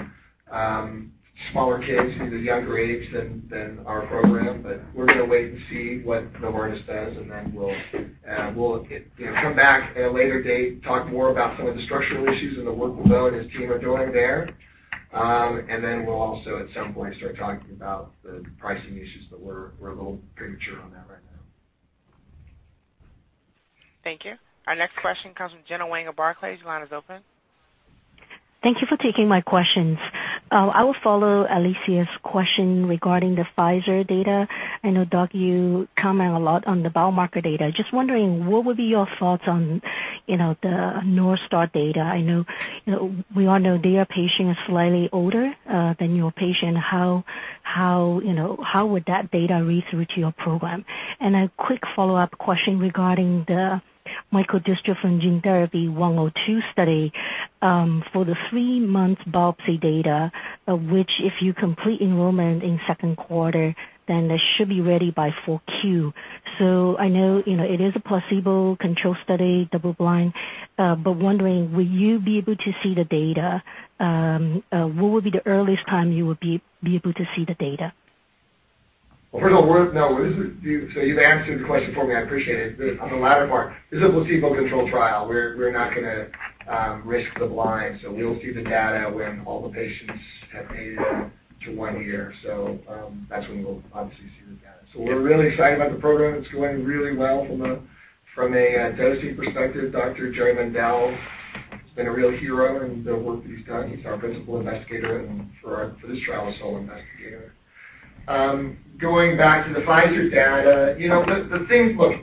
kids, these are younger age than our program. We're going to wait and see what Novartis does, and then we'll come back at a later date, talk more about some of the structural issues and the work doing there. Then we'll also, at some point, start talking about the pricing issues, but we're a little premature on that right now. Thank you. Our next question comes from Gena Wang of Barclays. Your line is open. Thank you for taking my questions. I will follow Alethia's question regarding the Pfizer data. I know, Doc, you comment a lot on the biomarker data. Just wondering, what would be your thoughts on the North Star data? I know we all know their patient is slightly older than your patient. How would that data read through to your program? A quick follow-up question regarding the microdystrophin gene therapy 102 study. For the three-month biopsy data, which if you complete enrollment in the second quarter, then they should be ready by 4Q. I know it is a placebo-controlled study, double blind. Wondering, will you be able to see the data? What would be the earliest time you would be able to see the data? First of all, you've answered the question for me. I appreciate it. On the latter part, this is a placebo-controlled trial. We're not going to risk the blind. We'll see the data when all the patients have made it to one year. That's when we'll obviously see the data. We're really excited about the program. It's going really well from a dosing perspective. Dr. Jerry Mendell has been a real hero in the work that he's done. He's our principal investigator, and for this trial, the sole investigator. Going back to the Pfizer data, look,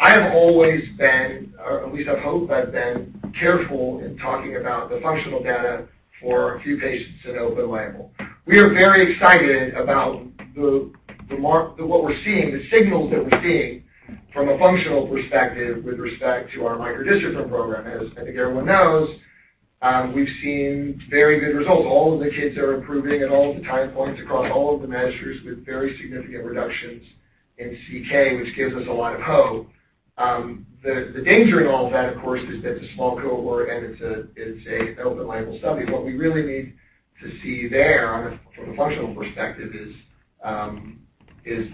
I have always been, or at least I hope I've been careful in talking about the functional data for a few patients in open label. We are very excited about what we're seeing, the signals that we're seeing from a functional perspective with respect to our microdystrophin program. As I think everyone knows, we've seen very good results. All of the kids are improving at all of the time points across all of the measures with very significant reductions in CK, which gives us a lot of hope. The danger in all of that, of course, is that it's a small cohort, and it's an open-label study. What we really need to see there from a functional perspective is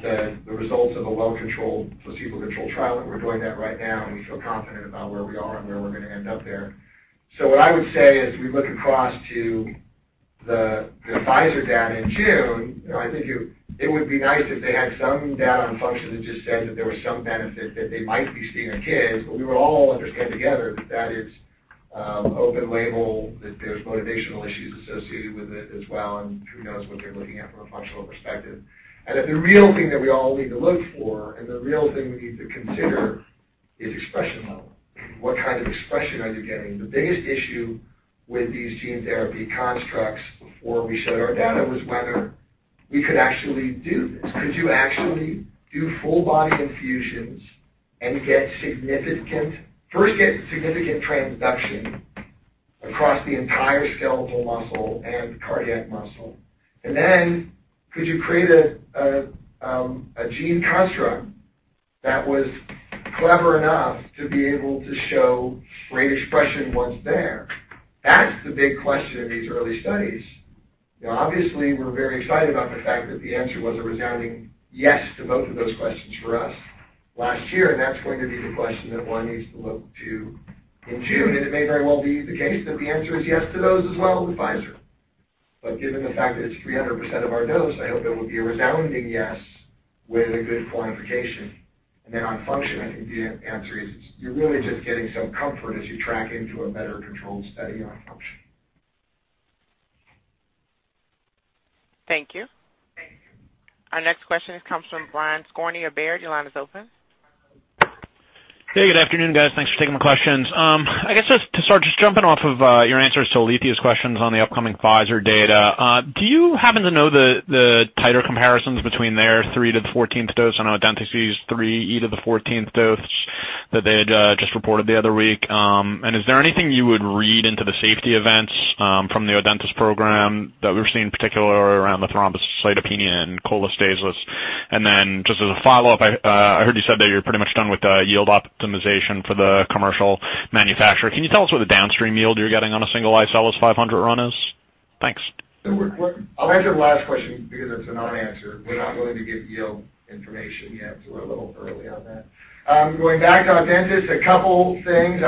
the results of a well-controlled placebo-controlled trial, and we're doing that right now, and we feel confident about where we are and where we're going to end up there. What I would say as we look across to the Pfizer data in June, I think it would be nice if they had some data on function that just said that there was some benefit that they might be seeing in kids. We would all understand together that that is open label, that there's motivational issues associated with it as well, and who knows what they're looking at from a functional perspective. That the real thing that we all need to look for, and the real thing we need to consider, is expression level. What kind of expression are you getting? The biggest issue with these gene therapy constructs before we showed our data was whether we could actually do this. Could you actually do full-body infusions and first get significant transduction across the entire skeletal muscle and cardiac muscle? Then could you create a gene construct that was clever enough to be able to show great expression once there? That's the big question in these early studies. Obviously, we're very excited about the fact that the answer was a resounding yes to both of those questions for us last year, that's going to be the question that one needs to look to in June, it may very well be the case that the answer is yes to those as well with Pfizer. Given the fact that it's 300% of our dose, I hope it will be a resounding yes with a good quantification. On function, I think the answer is you're really just getting some comfort as you track into a better-controlled study on function. Thank you. Thank you. Our next question comes from Brian Skorney at Baird. Your line is open. Hey, good afternoon, guys. Thanks for taking the questions. I guess just to start, just jumping off of your answers to Alethia's questions on the upcoming Pfizer data. Is there anything you would read into the safety events from the Audentes program that we're seeing, particularly around the thrombocytopenia and cholestasis? Just as a follow-up, I heard you said that you're pretty much done with the yield optimization for the commercial manufacturer. Can you tell us what the downstream yield you're getting on a single iCELLis 500 run is? Thanks. I'll answer the last question because it's a non-answer. We're a little early on that. Going back to Audentes, a couple things.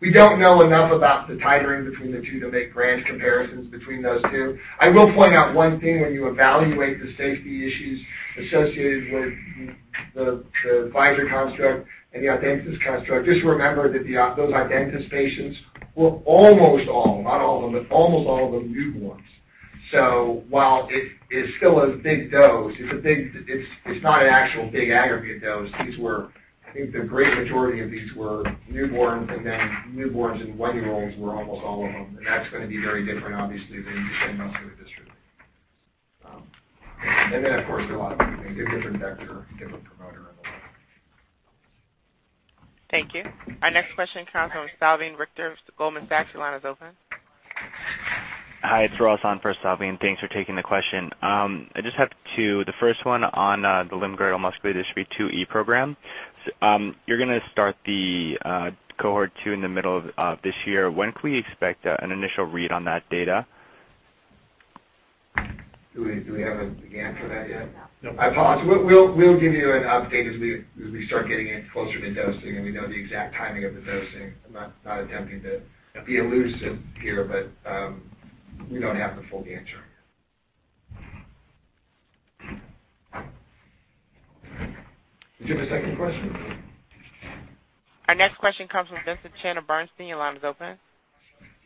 We don't know enough about the titering between the two to make grand comparisons between those two. I will point out one thing when you evaluate the safety issues associated with the Pfizer construct and the Audentes construct. Just remember that those Audentes patients were almost all, not all of them, but almost all of them newborns. While it is still a big dose, it's not an actual big aggregate dose. I think the great majority of these were newborns, and then newborns and one-year-olds were almost all of them, and that's going to be very different, obviously, than the same muscular dystrophy. Of course, they're different vector, different promoter and the like. Thank you. Our next question comes from Salveen Richter of Goldman Sachs. Your line is open. Hi, it's Ross on for Salveen. Thanks for taking the question. I just have two. The first one on the limb-girdle muscular dystrophy 2E program. You're going to start the cohort 2 in the middle of this year. When can we expect an initial read on that data? Do we have an answer for that yet? No. I apologize. We'll give you an update as we start getting closer to dosing, and we know the exact timing of the dosing. I'm not attempting to be elusive here, but we don't have the full answer. Do you have a second question? Our next question comes from Vincent Chen at Bernstein. Your line is open.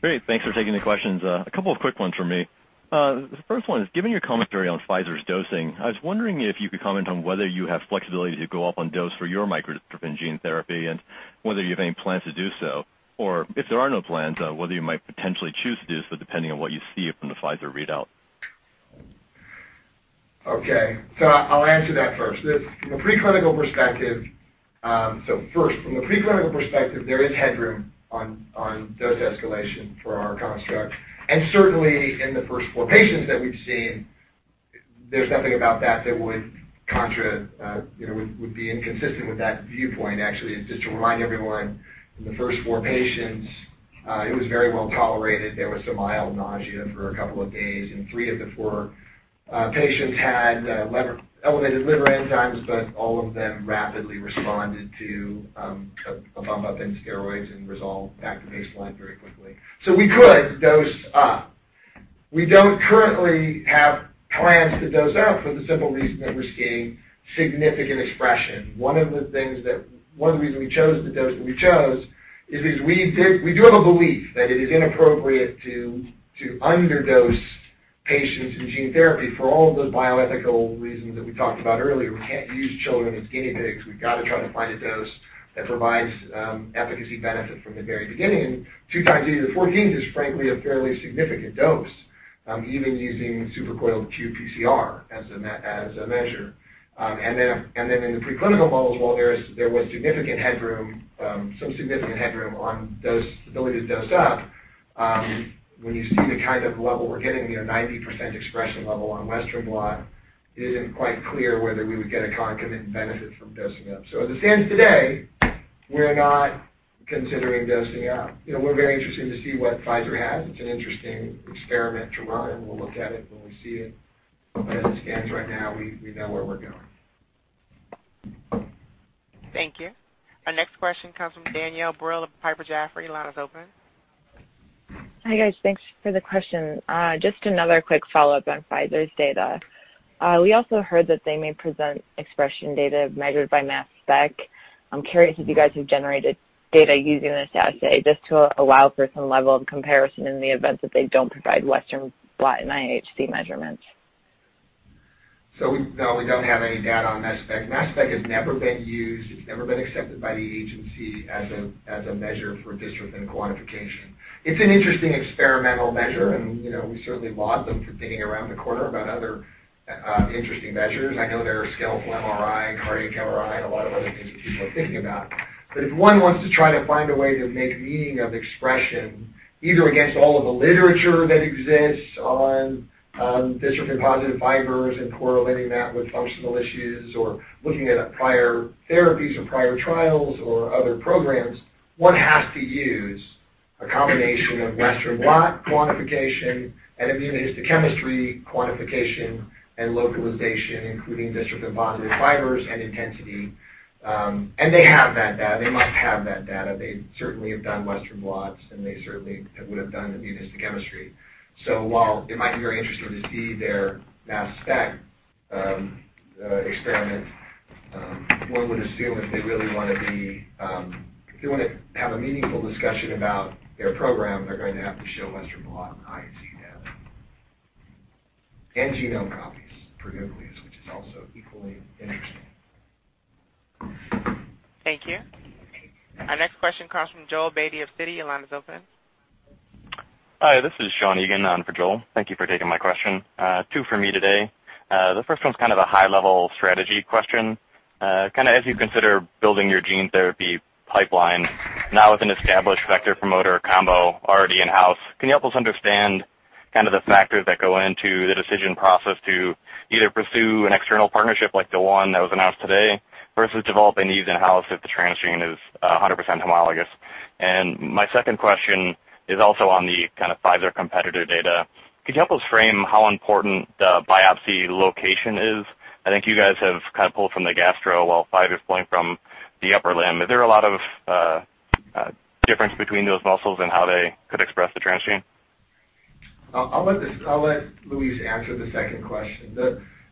Great. Thanks for taking the questions. A couple of quick ones from me. The first one is, given your commentary on Pfizer's dosing, I was wondering if you could comment on whether you have flexibility to go up on dose for your microdystrophin gene therapy and whether you have any plans to do so, or if there are no plans, whether you might potentially choose to do so depending on what you see from the Pfizer readout. Okay. I'll answer that first. From a preclinical perspective, there is headroom on dose escalation for our construct. Certainly, in the first four patients that we've seen, there's nothing about that that would be inconsistent with that viewpoint. Actually, just to remind everyone, in the first four patients, it was very well tolerated. There was some mild nausea for a couple of days, and three of the four patients had elevated liver enzymes, but all of them rapidly responded to a bump up in steroids and resolved back to baseline very quickly. We could dose up. We don't currently have plans to dose up for the simple reason that we're seeing significant expression. One reason we chose the dose that we chose is because we do have a belief that it is inappropriate to underdose patients in gene therapy for all the bioethical reasons that we talked about earlier. We can't use children as guinea pigs. We've got to try to find a dose that provides efficacy benefit from the very beginning. Two times E to the 14th is frankly a fairly significant dose. Even using supercoiled qPCR as a measure. Then in the preclinical models, while there was some significant headroom on the ability to dose up, when you see the kind of level we're getting, 90% expression level on western blot, it isn't quite clear whether we would get a concomitant benefit from dosing up. As it stands today, we're not considering dosing up. We're very interested to see what Pfizer has. It's an interesting experiment to run. We'll look at it when we see it. As it stands right now, we know where we're going. Thank you. Our next question comes from Danielle Brill of Piper Jaffray. Line is open. Hi, guys. Thanks for the questions. Just another quick follow-up on Pfizer's data. We also heard that they may present expression data measured by mass spec. I'm curious if you guys have generated data using this assay just to allow for some level of comparison in the event that they don't provide Western blot and IHC measurements. No, we don't have any data on mass spec. Mass spec has never been used, it's never been accepted by the agency as a measure for dystrophin quantification. It's an interesting experimental measure, and we certainly laud them for thinking around the corner about other interesting measures. I know there are skeletal MRI, cardiac MRI, and a lot of other things that people are thinking about. If one wants to try to find a way to make meaning of expression, either against all of the literature that exists on dystrophin-positive fibers and correlating that with functional issues or looking at prior therapies or prior trials or other programs, one has to use a combination of Western blot quantification and immunohistochemistry quantification and localization, including dystrophin-positive fibers and intensity. They have that data. They might have that data. They certainly have done Western blots, and they certainly would have done immunohistochemistry. While it might be very interesting to see their mass spec experiment, one would assume if they really want to have a meaningful discussion about their program, they're going to have to show Western blot and IHC data. Genome copies, presumably, which is also equally interesting. Thank you. Our next question comes from Joel Beatty of Citi. Your line is open. Hi, this is Sean Egan on for Joel. Thank you for taking my question. Two from me today. The first one's kind of a high-level strategy question. As you consider building your gene therapy pipeline now with an established vector promoter combo already in-house, can you help us understand the factors that go into the decision process to either pursue an external partnership like the one that was announced today versus developing these in-house if the transgene is 100% homologous? My second question is also on the Pfizer competitor data. Could you help us frame how important the biopsy location is? I think you guys have pulled from the gastro while Pfizer's pulling from the upper limb. Is there a lot of difference between those muscles and how they could express the transgene? I'll let Louise answer the second question.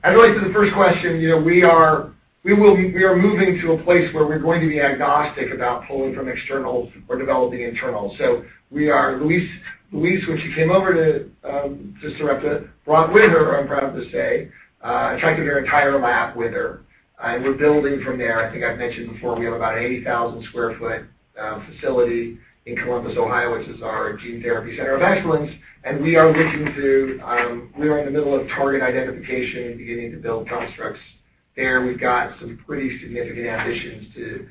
As it relates to the first question, we are moving to a place where we're going to be agnostic about pulling from externals or developing internals. Louise, when she came over to Sarepta, brought with her, I'm proud to say, attracted her entire lab with her, and we're building from there. I think I've mentioned before, we have about an 80,000 sq ft facility in Columbus, Ohio, which is our gene therapy center of excellence. We are in the middle of target identification and beginning to build constructs there. We've got some pretty significant ambitions to,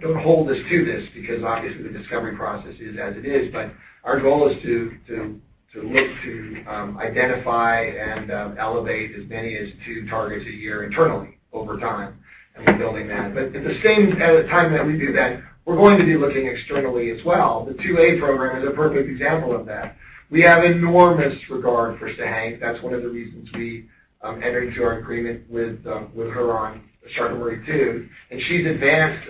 don't hold us to this, because obviously the discovery process is as it is, but our goal is to look to identify and elevate as many as two targets a year internally over time, and we're building that. At the same time that we do that, we're going to be looking externally as well. The 2A program is a perfect example of that. We have enormous regard for Sahenk. That's one of the reasons we entered into our agreement with her on Duchenne 2, and she's advanced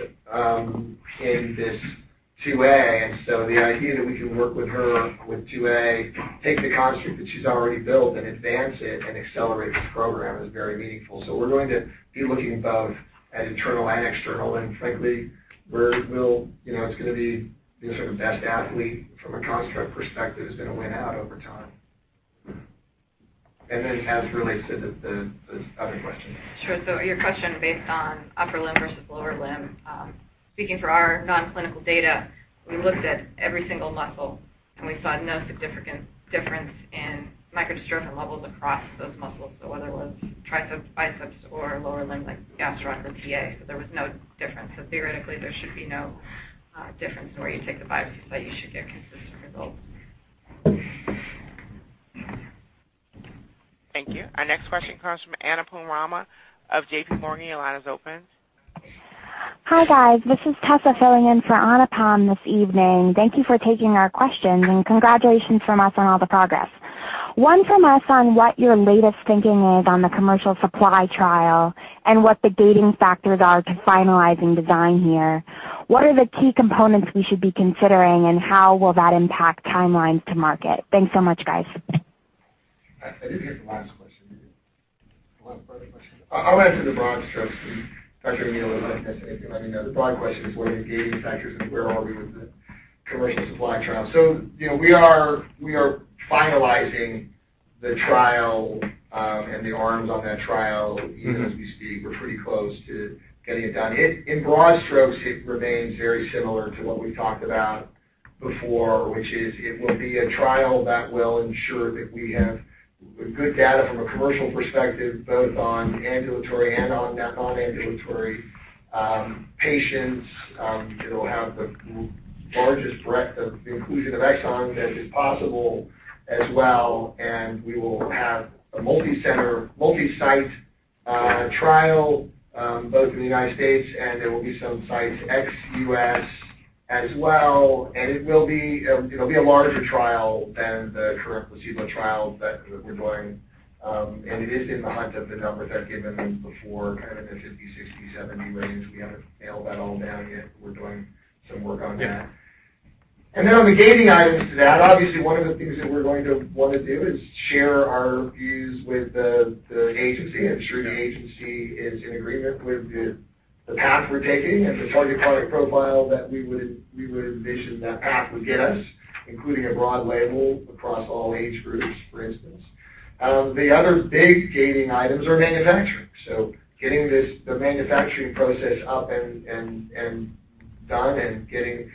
in this 2A. The idea that we can work with her with 2A, take the construct that she's already built, and advance it and accelerate the program is very meaningful. We're going to be looking both at internal and external, and frankly, it's going to be the sort of best athlete from a construct perspective is going to win out over time. As it relates to the other question. Sure. Your question based on upper limb versus lower limb. Speaking for our non-clinical data, we looked at every single muscle, and we saw no significant difference in microdystrophin levels across those muscles. Whether it was triceps, biceps, or lower limb like gastro and TA, so there was no difference. Theoretically, there should be no difference in where you take the biopsy site. You should get consistent results. Thank you. Our next question comes from Anupam Rama of J.P. Morgan. Your line is open. Hi, guys. This is Tessa filling in for Anupam this evening. Thank you for taking our questions, and congratulations from us on all the progress. One from us on what your latest thinking is on the commercial supply trial and what the gating factors are to finalizing design here. What are the key components we should be considering, and how will that impact timelines to market? Thanks so much, guys. I didn't hear the last question. You want to repeat the question? I'll answer the broad strokes, and Dr. O'Neill will let me know. The broad question is what are the gating factors and where are we with the commercial supply trial? We are finalizing the trial, and the arms on that trial, even as we speak, we're pretty close to getting it done. In broad strokes, it remains very similar to what we've talked about before, which is it will be a trial that will ensure that we have good data from a commercial perspective, both on ambulatory and on non-ambulatory patients. It'll have the largest breadth of the inclusion of exons as is possible as well, and we will have a multi-site trial both in the U.S., and there will be some sites ex-U.S. as well. It'll be a larger trial than the current placebo trial that we're doing. It is in the hunt of the numbers I've given before, kind of in the 50, 60, 70 range. We haven't nailed that all down yet. We're doing some work on that. On the gating items to that, obviously one of the things that we're going to want to do is share our views with the Agency, ensure the Agency is in agreement with the path we're taking and the target product profile that we would envision that path would get us, including a broad label across all age groups, for instance. The other big gating items are manufacturing. Getting the manufacturing process up and done, getting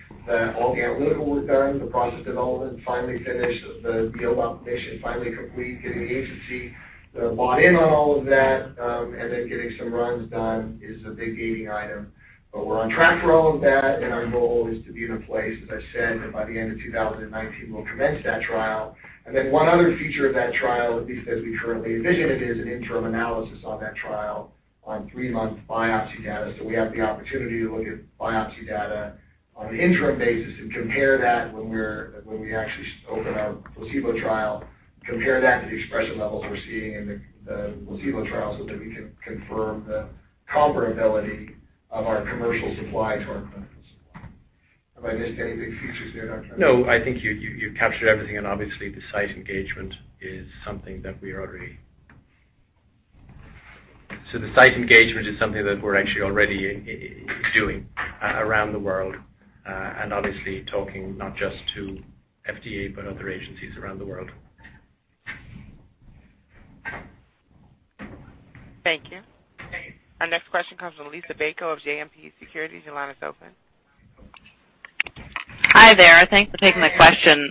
all the analytical work done, the process development finally finished, the [build-out] mission finally complete, getting the Agency bought in on all of that, getting some runs done is a big gating item. We're on track for all of that, and our goal is to be in a place, as I said, that by the end of 2019, we'll commence that trial. One other feature of that trial, at least as we currently envision it, is an interim analysis on that trial on three-month biopsy data. We have the opportunity to look at biopsy data on an interim basis and compare that when we actually open our placebo trial, compare that to the expression levels we're seeing in the placebo trial so that we can confirm the comparability of our commercial supply to our clinical supply. Have I missed any big features there, Dr. O'Neill? No, I think you captured everything, obviously the site engagement is something that we're actually already doing around the world. Obviously talking not just to FDA, but other agencies around the world. Thank you. Our next question comes from Liisa Bayko of JMP Securities. Your line is open. Hi there. Thanks for taking my question.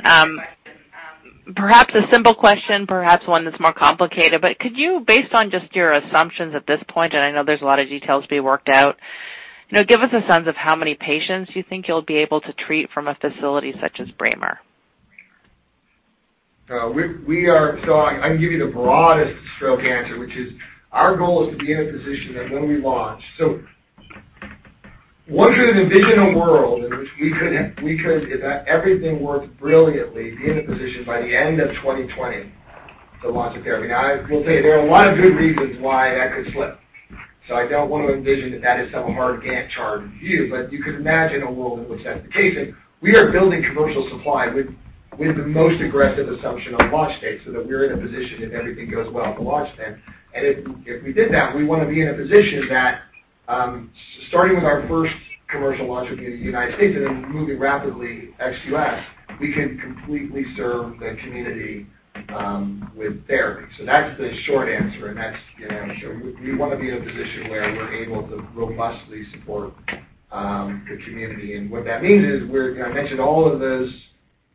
Perhaps a simple question, perhaps one that's more complicated, could you, based on just your assumptions at this point, and I know there's a lot of details to be worked out, give us a sense of how many patients you think you'll be able to treat from a facility such as Brammer? I can give you the broadest stroke answer, which is our goal is to be in a position that when we launch, one could envision a world in which we could, if everything worked brilliantly, be in a position by the end of 2020 to launch a therapy. Now, I will tell you there are a lot of good reasons why that could slip. I don't want to envision that is some hard Gantt chart view. You could imagine a world in which that's the case, and we are building commercial supply with the most aggressive assumption on launch date so that we're in a position, if everything goes well, to launch then. If we did that, we want to be in a position that, starting with our first commercial launch would be in the United States, then moving rapidly ex-U.S., we can completely serve the community with therapy. That's the short answer, and that's gonna ensure we want to be in a position where we're able to robustly support the community. What that means is I mentioned all of those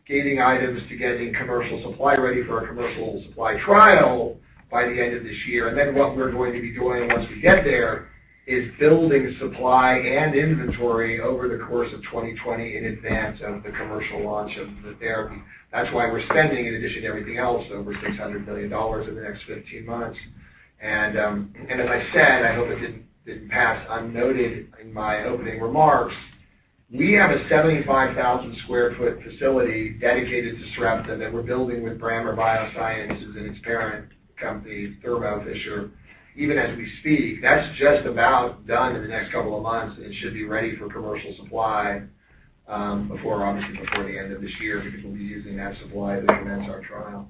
gating items to getting commercial supply ready for a commercial supply trial by the end of this year. Then what we're going to be doing once we get there is building supply and inventory over the course of 2020 in advance of the commercial launch of the therapy. That's why we're spending, in addition to everything else, over $600 million in the next 15 months. As I said, I hope it didn't pass unnoted in my opening remarks, we have a 75,000 sq ft facility dedicated to Sarepta that we're building with Brammer Bio and its parent company, Thermo Fisher. Even as we speak, that's just about done in the next couple of months, and it should be ready for commercial supply obviously before the end of this year, because we'll be using that supply to commence our trial.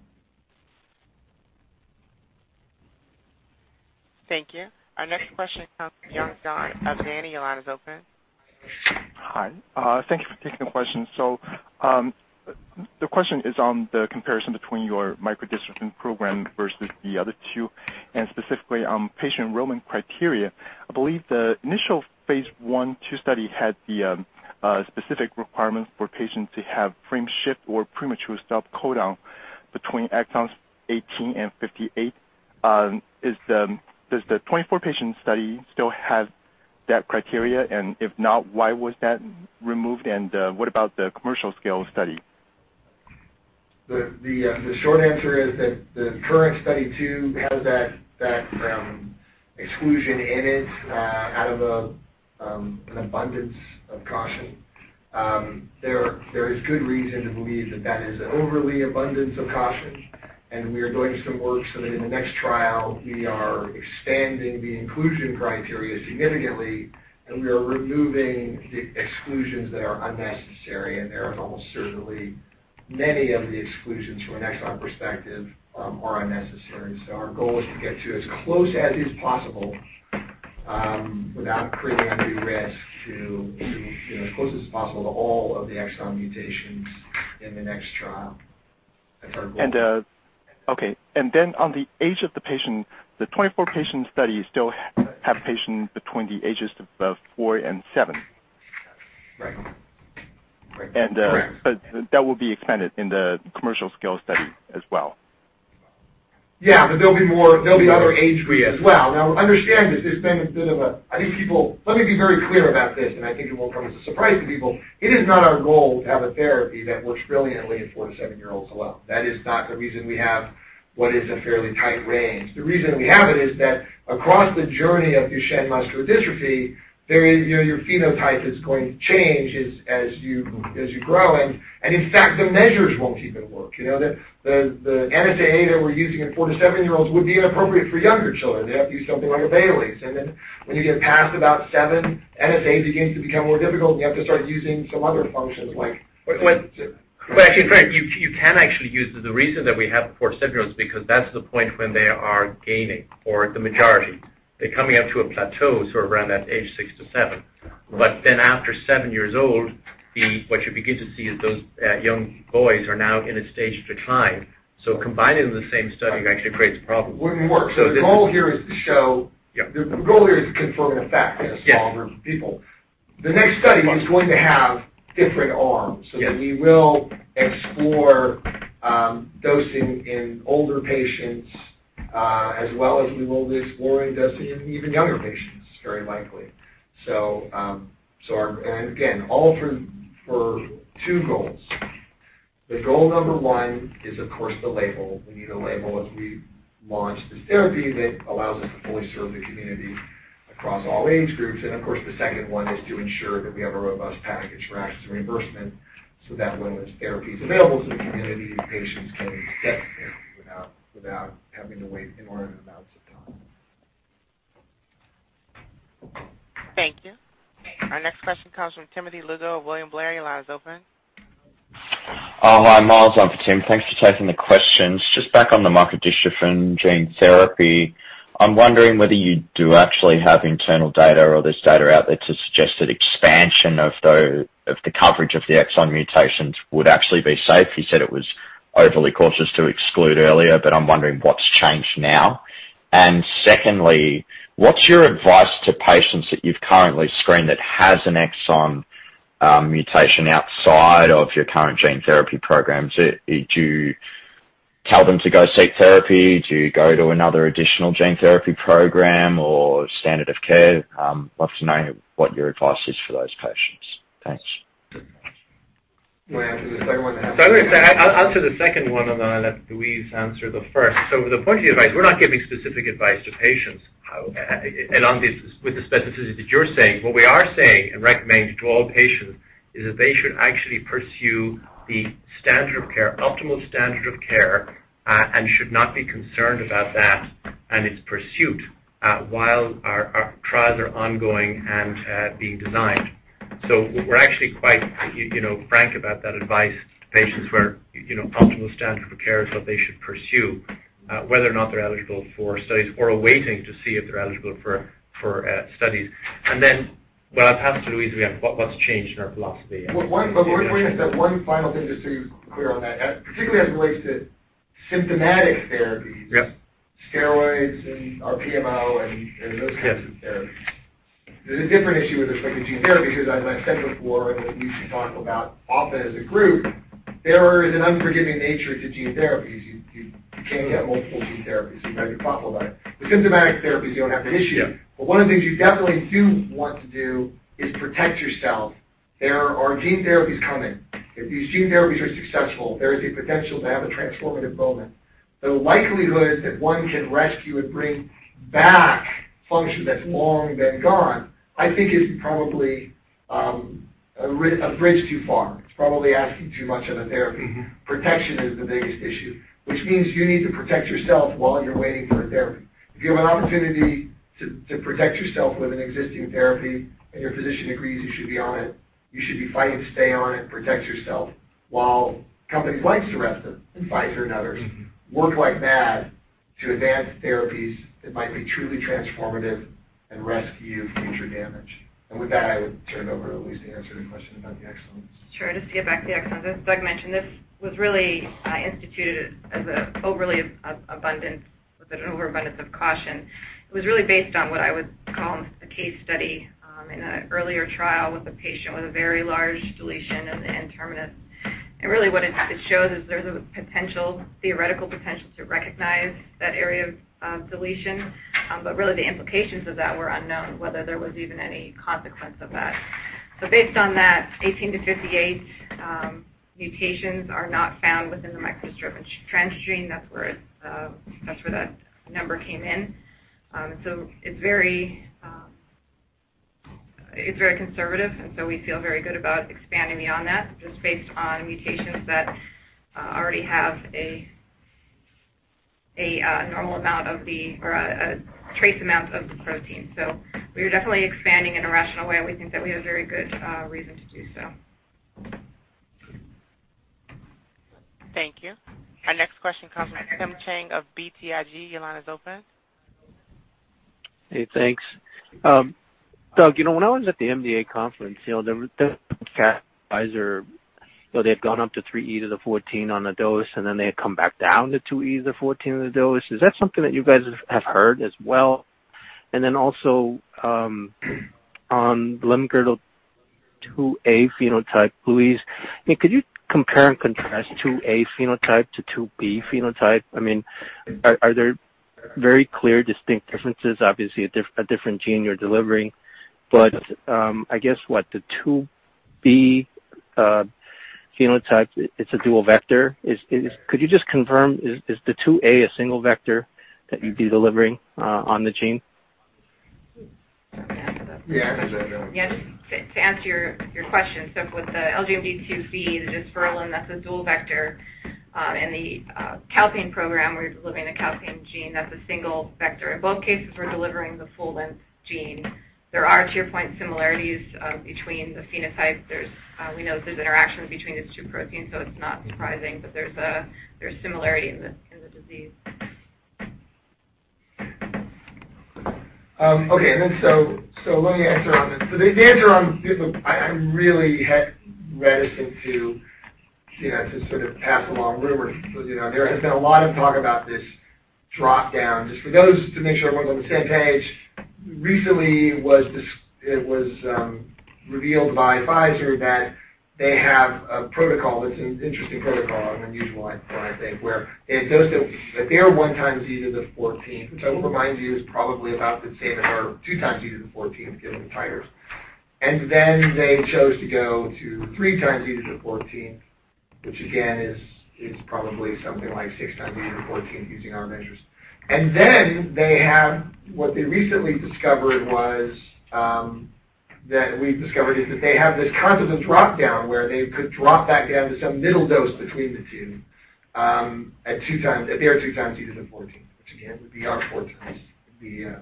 Thank you. Our next question comes from. Your line is open. Hi. Thank you for taking the question. The question is on the comparison between your microdystrophin program versus the other two, specifically on patient enrollment criteria. I believe the initial phase I/II study had the specific requirements for patients to have frame shift or premature stop codon between exons 18 and 58. Does the 24-patient study still have that criteria? If not, why was that removed? What about the commercial scale study? The short answer is that the current study 2 has that exclusion in it out of an abundance of caution. There is good reason to believe that is an overabundance of caution. We are doing some work so that in the next trial, we are expanding the inclusion criteria significantly. We are removing the exclusions that are unnecessary. There is almost certainly many of the exclusions from an exon perspective are unnecessary. Our goal is to get to as close as is possible without creating undue risk to, as close as possible, to all of the exon mutations in the next trial. That's our goal. Okay. On the age of the patient, the 24-patient study still have patients between the ages of four and seven. Right. Correct. That will be expanded in the commercial scale study as well. Yeah. There'll be other age groups as well. Now, understand this. Let me be very clear about this, and I think it won't come as a surprise to people. It is not our goal to have a therapy that works brilliantly in four to seven-year-olds alone. That is not the reason we have what is a fairly tight range. The reason we have it is that across the journey of Duchenne muscular dystrophy, your phenotype is going to change as you grow. In fact, the measures won't even work. The NSAA that we're using in four to seven-year-olds would be inappropriate for younger children. They have to use something like a Bayley. When you get past about seven, NSAA begins to become more difficult, and you have to start using some other functions. Well, actually, Frank, you can actually use it. The reason that we have the 4 to 7-year-olds is because that's the point when they are gaining, or the majority. They're coming up to a plateau sort of around that age 6 to 7. Right. After 7 years old, what you begin to see is those young boys are now in a stage of decline. Combining them in the same study actually creates problems. Wouldn't work. The goal here is to confirm a fact in a small group of people. The next study is going to have different arms. Yes. We will explore dosing in older patients, as well as we will be exploring dosing in even younger patients, very likely. Again, all for two goals. The goal number 1 is, of course, the label. We need a label as we launch this therapy that allows us to fully serve the community across all age groups. Of course, the second one is to ensure that we have a robust path of insurance reimbursement so that when this therapy's available to the community, patients can get the therapy without having to wait inordinate amounts of time. Thank you. Our next question comes from Timothy Lugo of William Blair. Your line is open. Hi, Myles on for Tim. Thanks for taking the questions. Just back on the microdystrophin gene therapy. I'm wondering whether you do actually have internal data or there's data out there to suggest that expansion of the coverage of the exon mutations would actually be safe. You said it was overly cautious to exclude earlier, but I'm wondering what's changed now. Secondly, what's your advice to patients that you've currently screened that has an exon mutation outside of your current gene therapy programs? Do you tell them to go seek therapy? Do you go to another additional gene therapy program or standard of care? I'd love to know what your advice is for those patients. Thanks. You want to answer the second one? I'll answer the second one, and then I'll let Louise answer the first. The point of advice, we're not giving specific advice to patients with the specificity that you're saying. What we are saying and recommending to all patients is that they should actually pursue the optimal standard of care and should not be concerned about that and its pursuit while our trials are ongoing and being designed. We're actually quite frank about that advice to patients, where optimal standard of care is what they should pursue, whether or not they're eligible for studies or awaiting to see if they're eligible for studies. What I'll pass to Louise again, what's changed in our philosophy. One final thing, just to be clear on that, particularly as it relates to symptomatic therapies. Yes. Steroids and PPMO and those kinds of therapies. There's a different issue with respect to gene therapy because as I said before, that we should talk about often as a group, there is an unforgiving nature to gene therapies. You can't get multiple gene therapies. You've got to be thoughtful about it. With symptomatic therapies, you don't have the issue. Yeah. One of the things you definitely do want to do is protect yourself. There are gene therapies coming. If these gene therapies are successful, there is a potential to have a transformative moment. The likelihood that one can rescue and bring back function that's long been gone, I think is probably a bridge too far. It's probably asking too much of the therapy. Protection is the biggest issue, which means you need to protect yourself while you're waiting for a therapy. If you have an opportunity to protect yourself with an existing therapy and your physician agrees you should be on it, you should be fighting to stay on it and protect yourself while companies like Sarepta and Pfizer and others work like mad to advance therapies that might be truly transformative and rescue future damage. With that, I would turn it over to Louise to answer the question about the exons. Sure. Just to get back to the exons. As Doug mentioned, this was really instituted as an overabundance of caution. It was really based on what I would call a case study in an earlier trial with a patient with a very large deletion in the N-terminus. Really what it shows is there's a theoretical potential to recognize that area of deletion. Really the implications of that were unknown, whether there was even any consequence of that. Based on that, 18 to 58 mutations are not found within the microdystrophin transgene. That's where that number came in. It's very conservative, and so we feel very good about expanding beyond that, just based on mutations that already have a normal amount of the or a trace amount of the protein. We are definitely expanding in a rational way, and we think that we have very good reason to do so. Thank you. Our next question comes from Tim Chiang of BTIG. Your line is open. Hey, thanks. Doug, when I was at the MDA conference, there was Pfizer. They had gone up to 3E to the 14 on the dose, and then they had come back down to 2E to the 14 on the dose. Is that something that you guys have heard as well? Also on limb-girdle 2A phenotype, Louise, could you compare and contrast 2A phenotype to 2B phenotype? Are there very clear, distinct differences? Obviously, a different gene you're delivering. I guess what, the 2B phenotype, it's a dual vector. Could you just confirm, is the 2A a single vector that you'd be delivering on the gene? To answer your question, with the LGMD2B, the dysferlin, that's a dual vector. In the calpain program, we're delivering a calpain gene that's a single vector. In both cases, we're delivering the full-length gene. There are two point similarities between the phenotypes. We know there's interactions between these two proteins, it's not surprising that there's similarity in the disease. Okay. Let me answer on this. I'm really reticent to sort of pass along rumors. There has been a lot of talk about this drop-down. Just for those to make sure everyone's on the same page, recently it was revealed by Pfizer that they have a protocol that's an interesting protocol, an unusual one, I think, where they dose at their one times E to the 14th, which I will remind you is probably about the same as our two times E to the 14th, given the titers. They chose to go to three times E to the 14th, which again is probably something like six times E to the 14th using our measures. What we recently discovered is that they have this concept of drop-down where they could drop back down to some middle dose between the two at their two times E to the 14th, which again would be our four times the.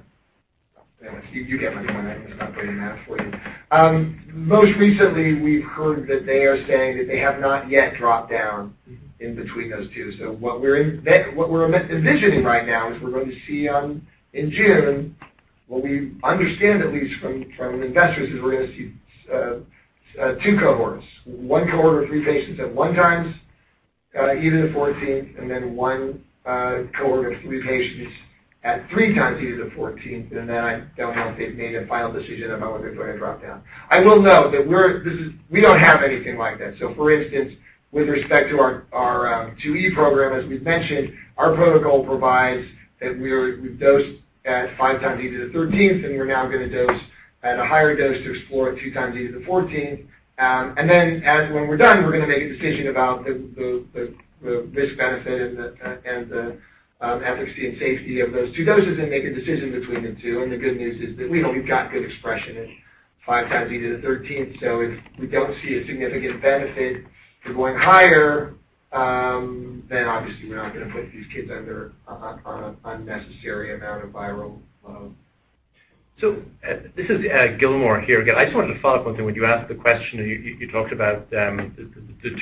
Most recently, we've heard that they are saying that they have not yet dropped down in between those two. What we're envisioning right now is we're going to see in June, what we understand at least from investors, is we're going to see two cohorts, one cohort of three patients at one times E to the 14th, one cohort of three patients at three times E to the 14th, I don't know if they've made a final decision about whether they're going to drop down. I will note that we don't have anything like this. For instance, with respect to our 2E program, as we've mentioned, our protocol provides that we dose at five times E to the 13th, we're now going to dose at a higher dose to explore at two times E to the 14th. When we're done, we're going to make a decision about the risk-benefit and the efficacy and safety of those two doses and make a decision between the two. The good news is that we know we've got good expression at five times E to the 13th. If we don't see a significant benefit for going higher, obviously we're not going to put these kids under an unnecessary amount of viral load. This is Gilmore here again. I just wanted to follow up on something when you asked the question, you talked about the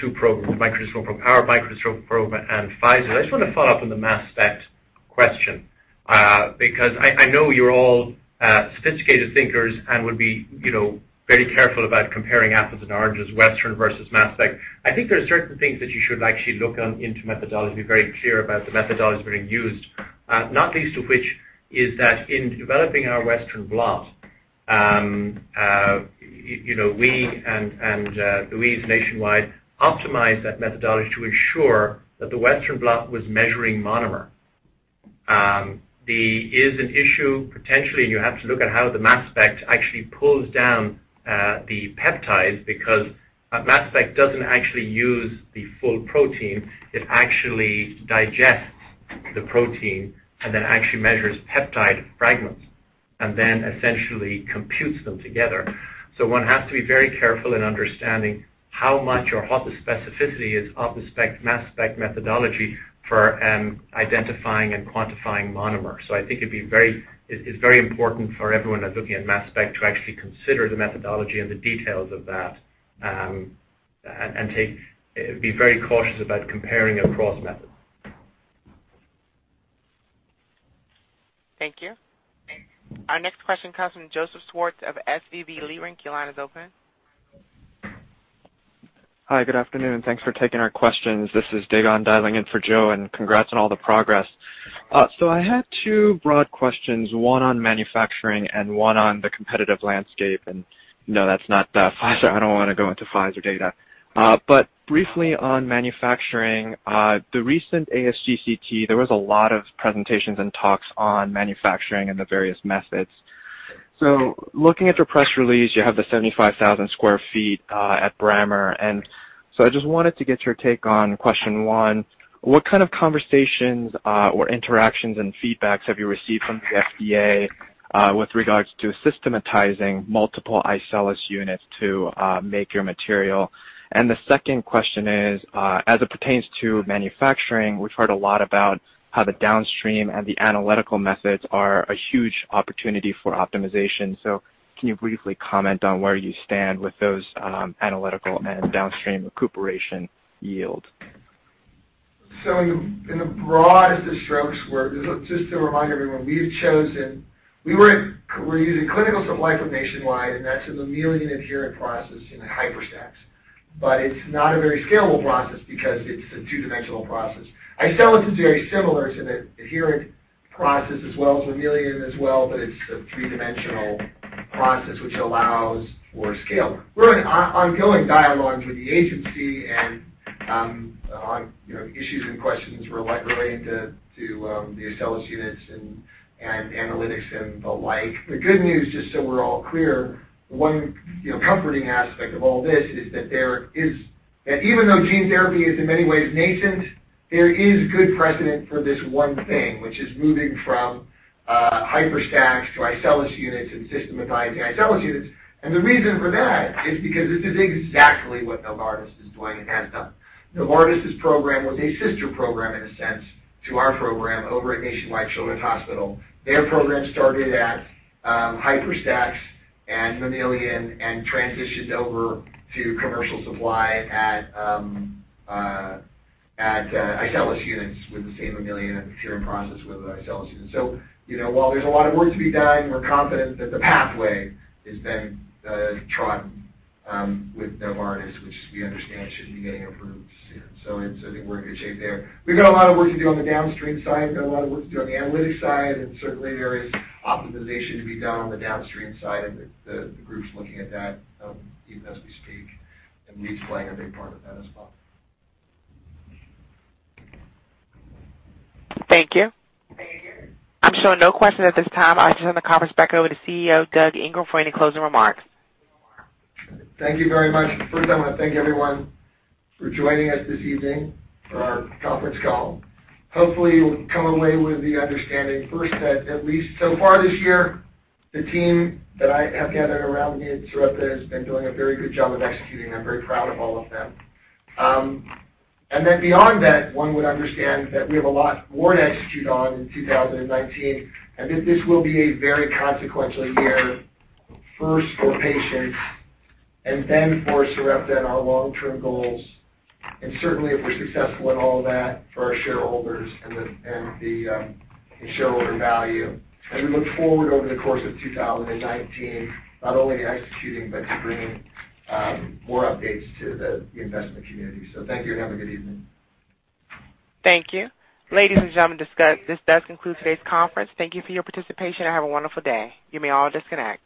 two programs, our microdystrophin program and Pfizer. I just want to follow up on the mass spec question. I know you're all sophisticated thinkers and would be very careful about comparing apples and oranges, Western versus mass spec. I think there are certain things that you should actually look into methodology, very clear about the methodologies being used. Not least of which is that in developing our Western blot, we and Louise nationwide optimized that methodology to ensure that the Western blot was measuring monomer. There is an issue potentially, you have to look at how the mass spec actually pulls down the peptides because a mass spec doesn't actually use the full protein. It actually digests the protein, then actually measures peptide fragments and then essentially computes them together. One has to be very careful in understanding how much or what the specificity is of the mass spec methodology for identifying and quantifying monomer. I think it's very important for everyone that's looking at mass spec to actually consider the methodology and the details of that, and be very cautious about comparing across methods. Thank you. Our next question comes from Joseph Schwartz of SVB Leerink. Your line is open. Hi, good afternoon. Thanks for taking our questions. This is [Davon] dialing in for Joe, congrats on all the progress. I had two broad questions, one on manufacturing and one on the competitive landscape. No, that's not Pfizer. I don't want to go into Pfizer data. Briefly on manufacturing, the recent ASGCT, there was a lot of presentations and talks on manufacturing and the various methods. Looking at your press release, you have the 75,000 sq ft at Brammer. I just wanted to get your take on question 1, what kind of conversations or interactions and feedbacks have you received from the FDA with regards to systematizing multiple iCELLis units to make your material? The question 2 is, as it pertains to manufacturing, we've heard a lot about how the downstream and the analytical methods are a huge opportunity for optimization. Can you briefly comment on where you stand with those analytical and downstream recuperation yield? In the broad strokes, just to remind everyone, we're using clinical supply from Nationwide, and that's a mammalian adherent process in HYPERStack. It's not a very scalable process because it's a two-dimensional process. iCELLis is very similar to the adherent process as well as mammalian as well, but it's a three-dimensional process which allows for scale. We're in ongoing dialogues with the agency and on issues and questions relating to the iCELLis units and analytics and the like. The good news, just so we're all clear, one comforting aspect of all this is that even though gene therapy is in many ways nascent, there is good precedent for this one thing. Which is moving from HYPERStack to iCELLis units and systematizing iCELLis units. The reason for that is because this is exactly what Novartis is doing and has done. Novartis' program was a sister program, in a sense, to our program over at Nationwide Children's Hospital. Their program started at HYPERStack and mammalian, and transitioned over to commercial supply at iCELLis units with the same mammalian adherent process with iCELLis units. While there's a lot of work to be done, we're confident that the pathway has been trodden with Novartis, which we understand should be getting approved soon. I think we're in good shape there. We've got a lot of work to do on the downstream side. We've got a lot of work to do on the analytics side, and certainly there is optimization to be done on the downstream side and the groups looking at that even as we speak. We play a big part in that as well. Thank you. I'm showing no questions at this time. I'll turn the conference back over to CEO Doug Ingram for any closing remarks. Thank you very much. First, I want to thank everyone for joining us this evening for our conference call. Hopefully, you'll come away with the understanding first that at least so far this year, the team that I have gathered around me at Sarepta has been doing a very good job of executing. I'm very proud of all of them. Beyond that, one would understand that we have a lot more to execute on in 2019, and that this will be a very consequential year, first for patients and then for Sarepta and our long-term goals. Certainly, if we're successful in all that, for our shareholders and the shareholder value. We look forward over the course of 2019, not only to executing, but to bringing more updates to the investment community. Thank you, and have a good evening. Thank you. Ladies and gentlemen, this does conclude today's conference. Thank you for your participation and have a wonderful day. You may all disconnect.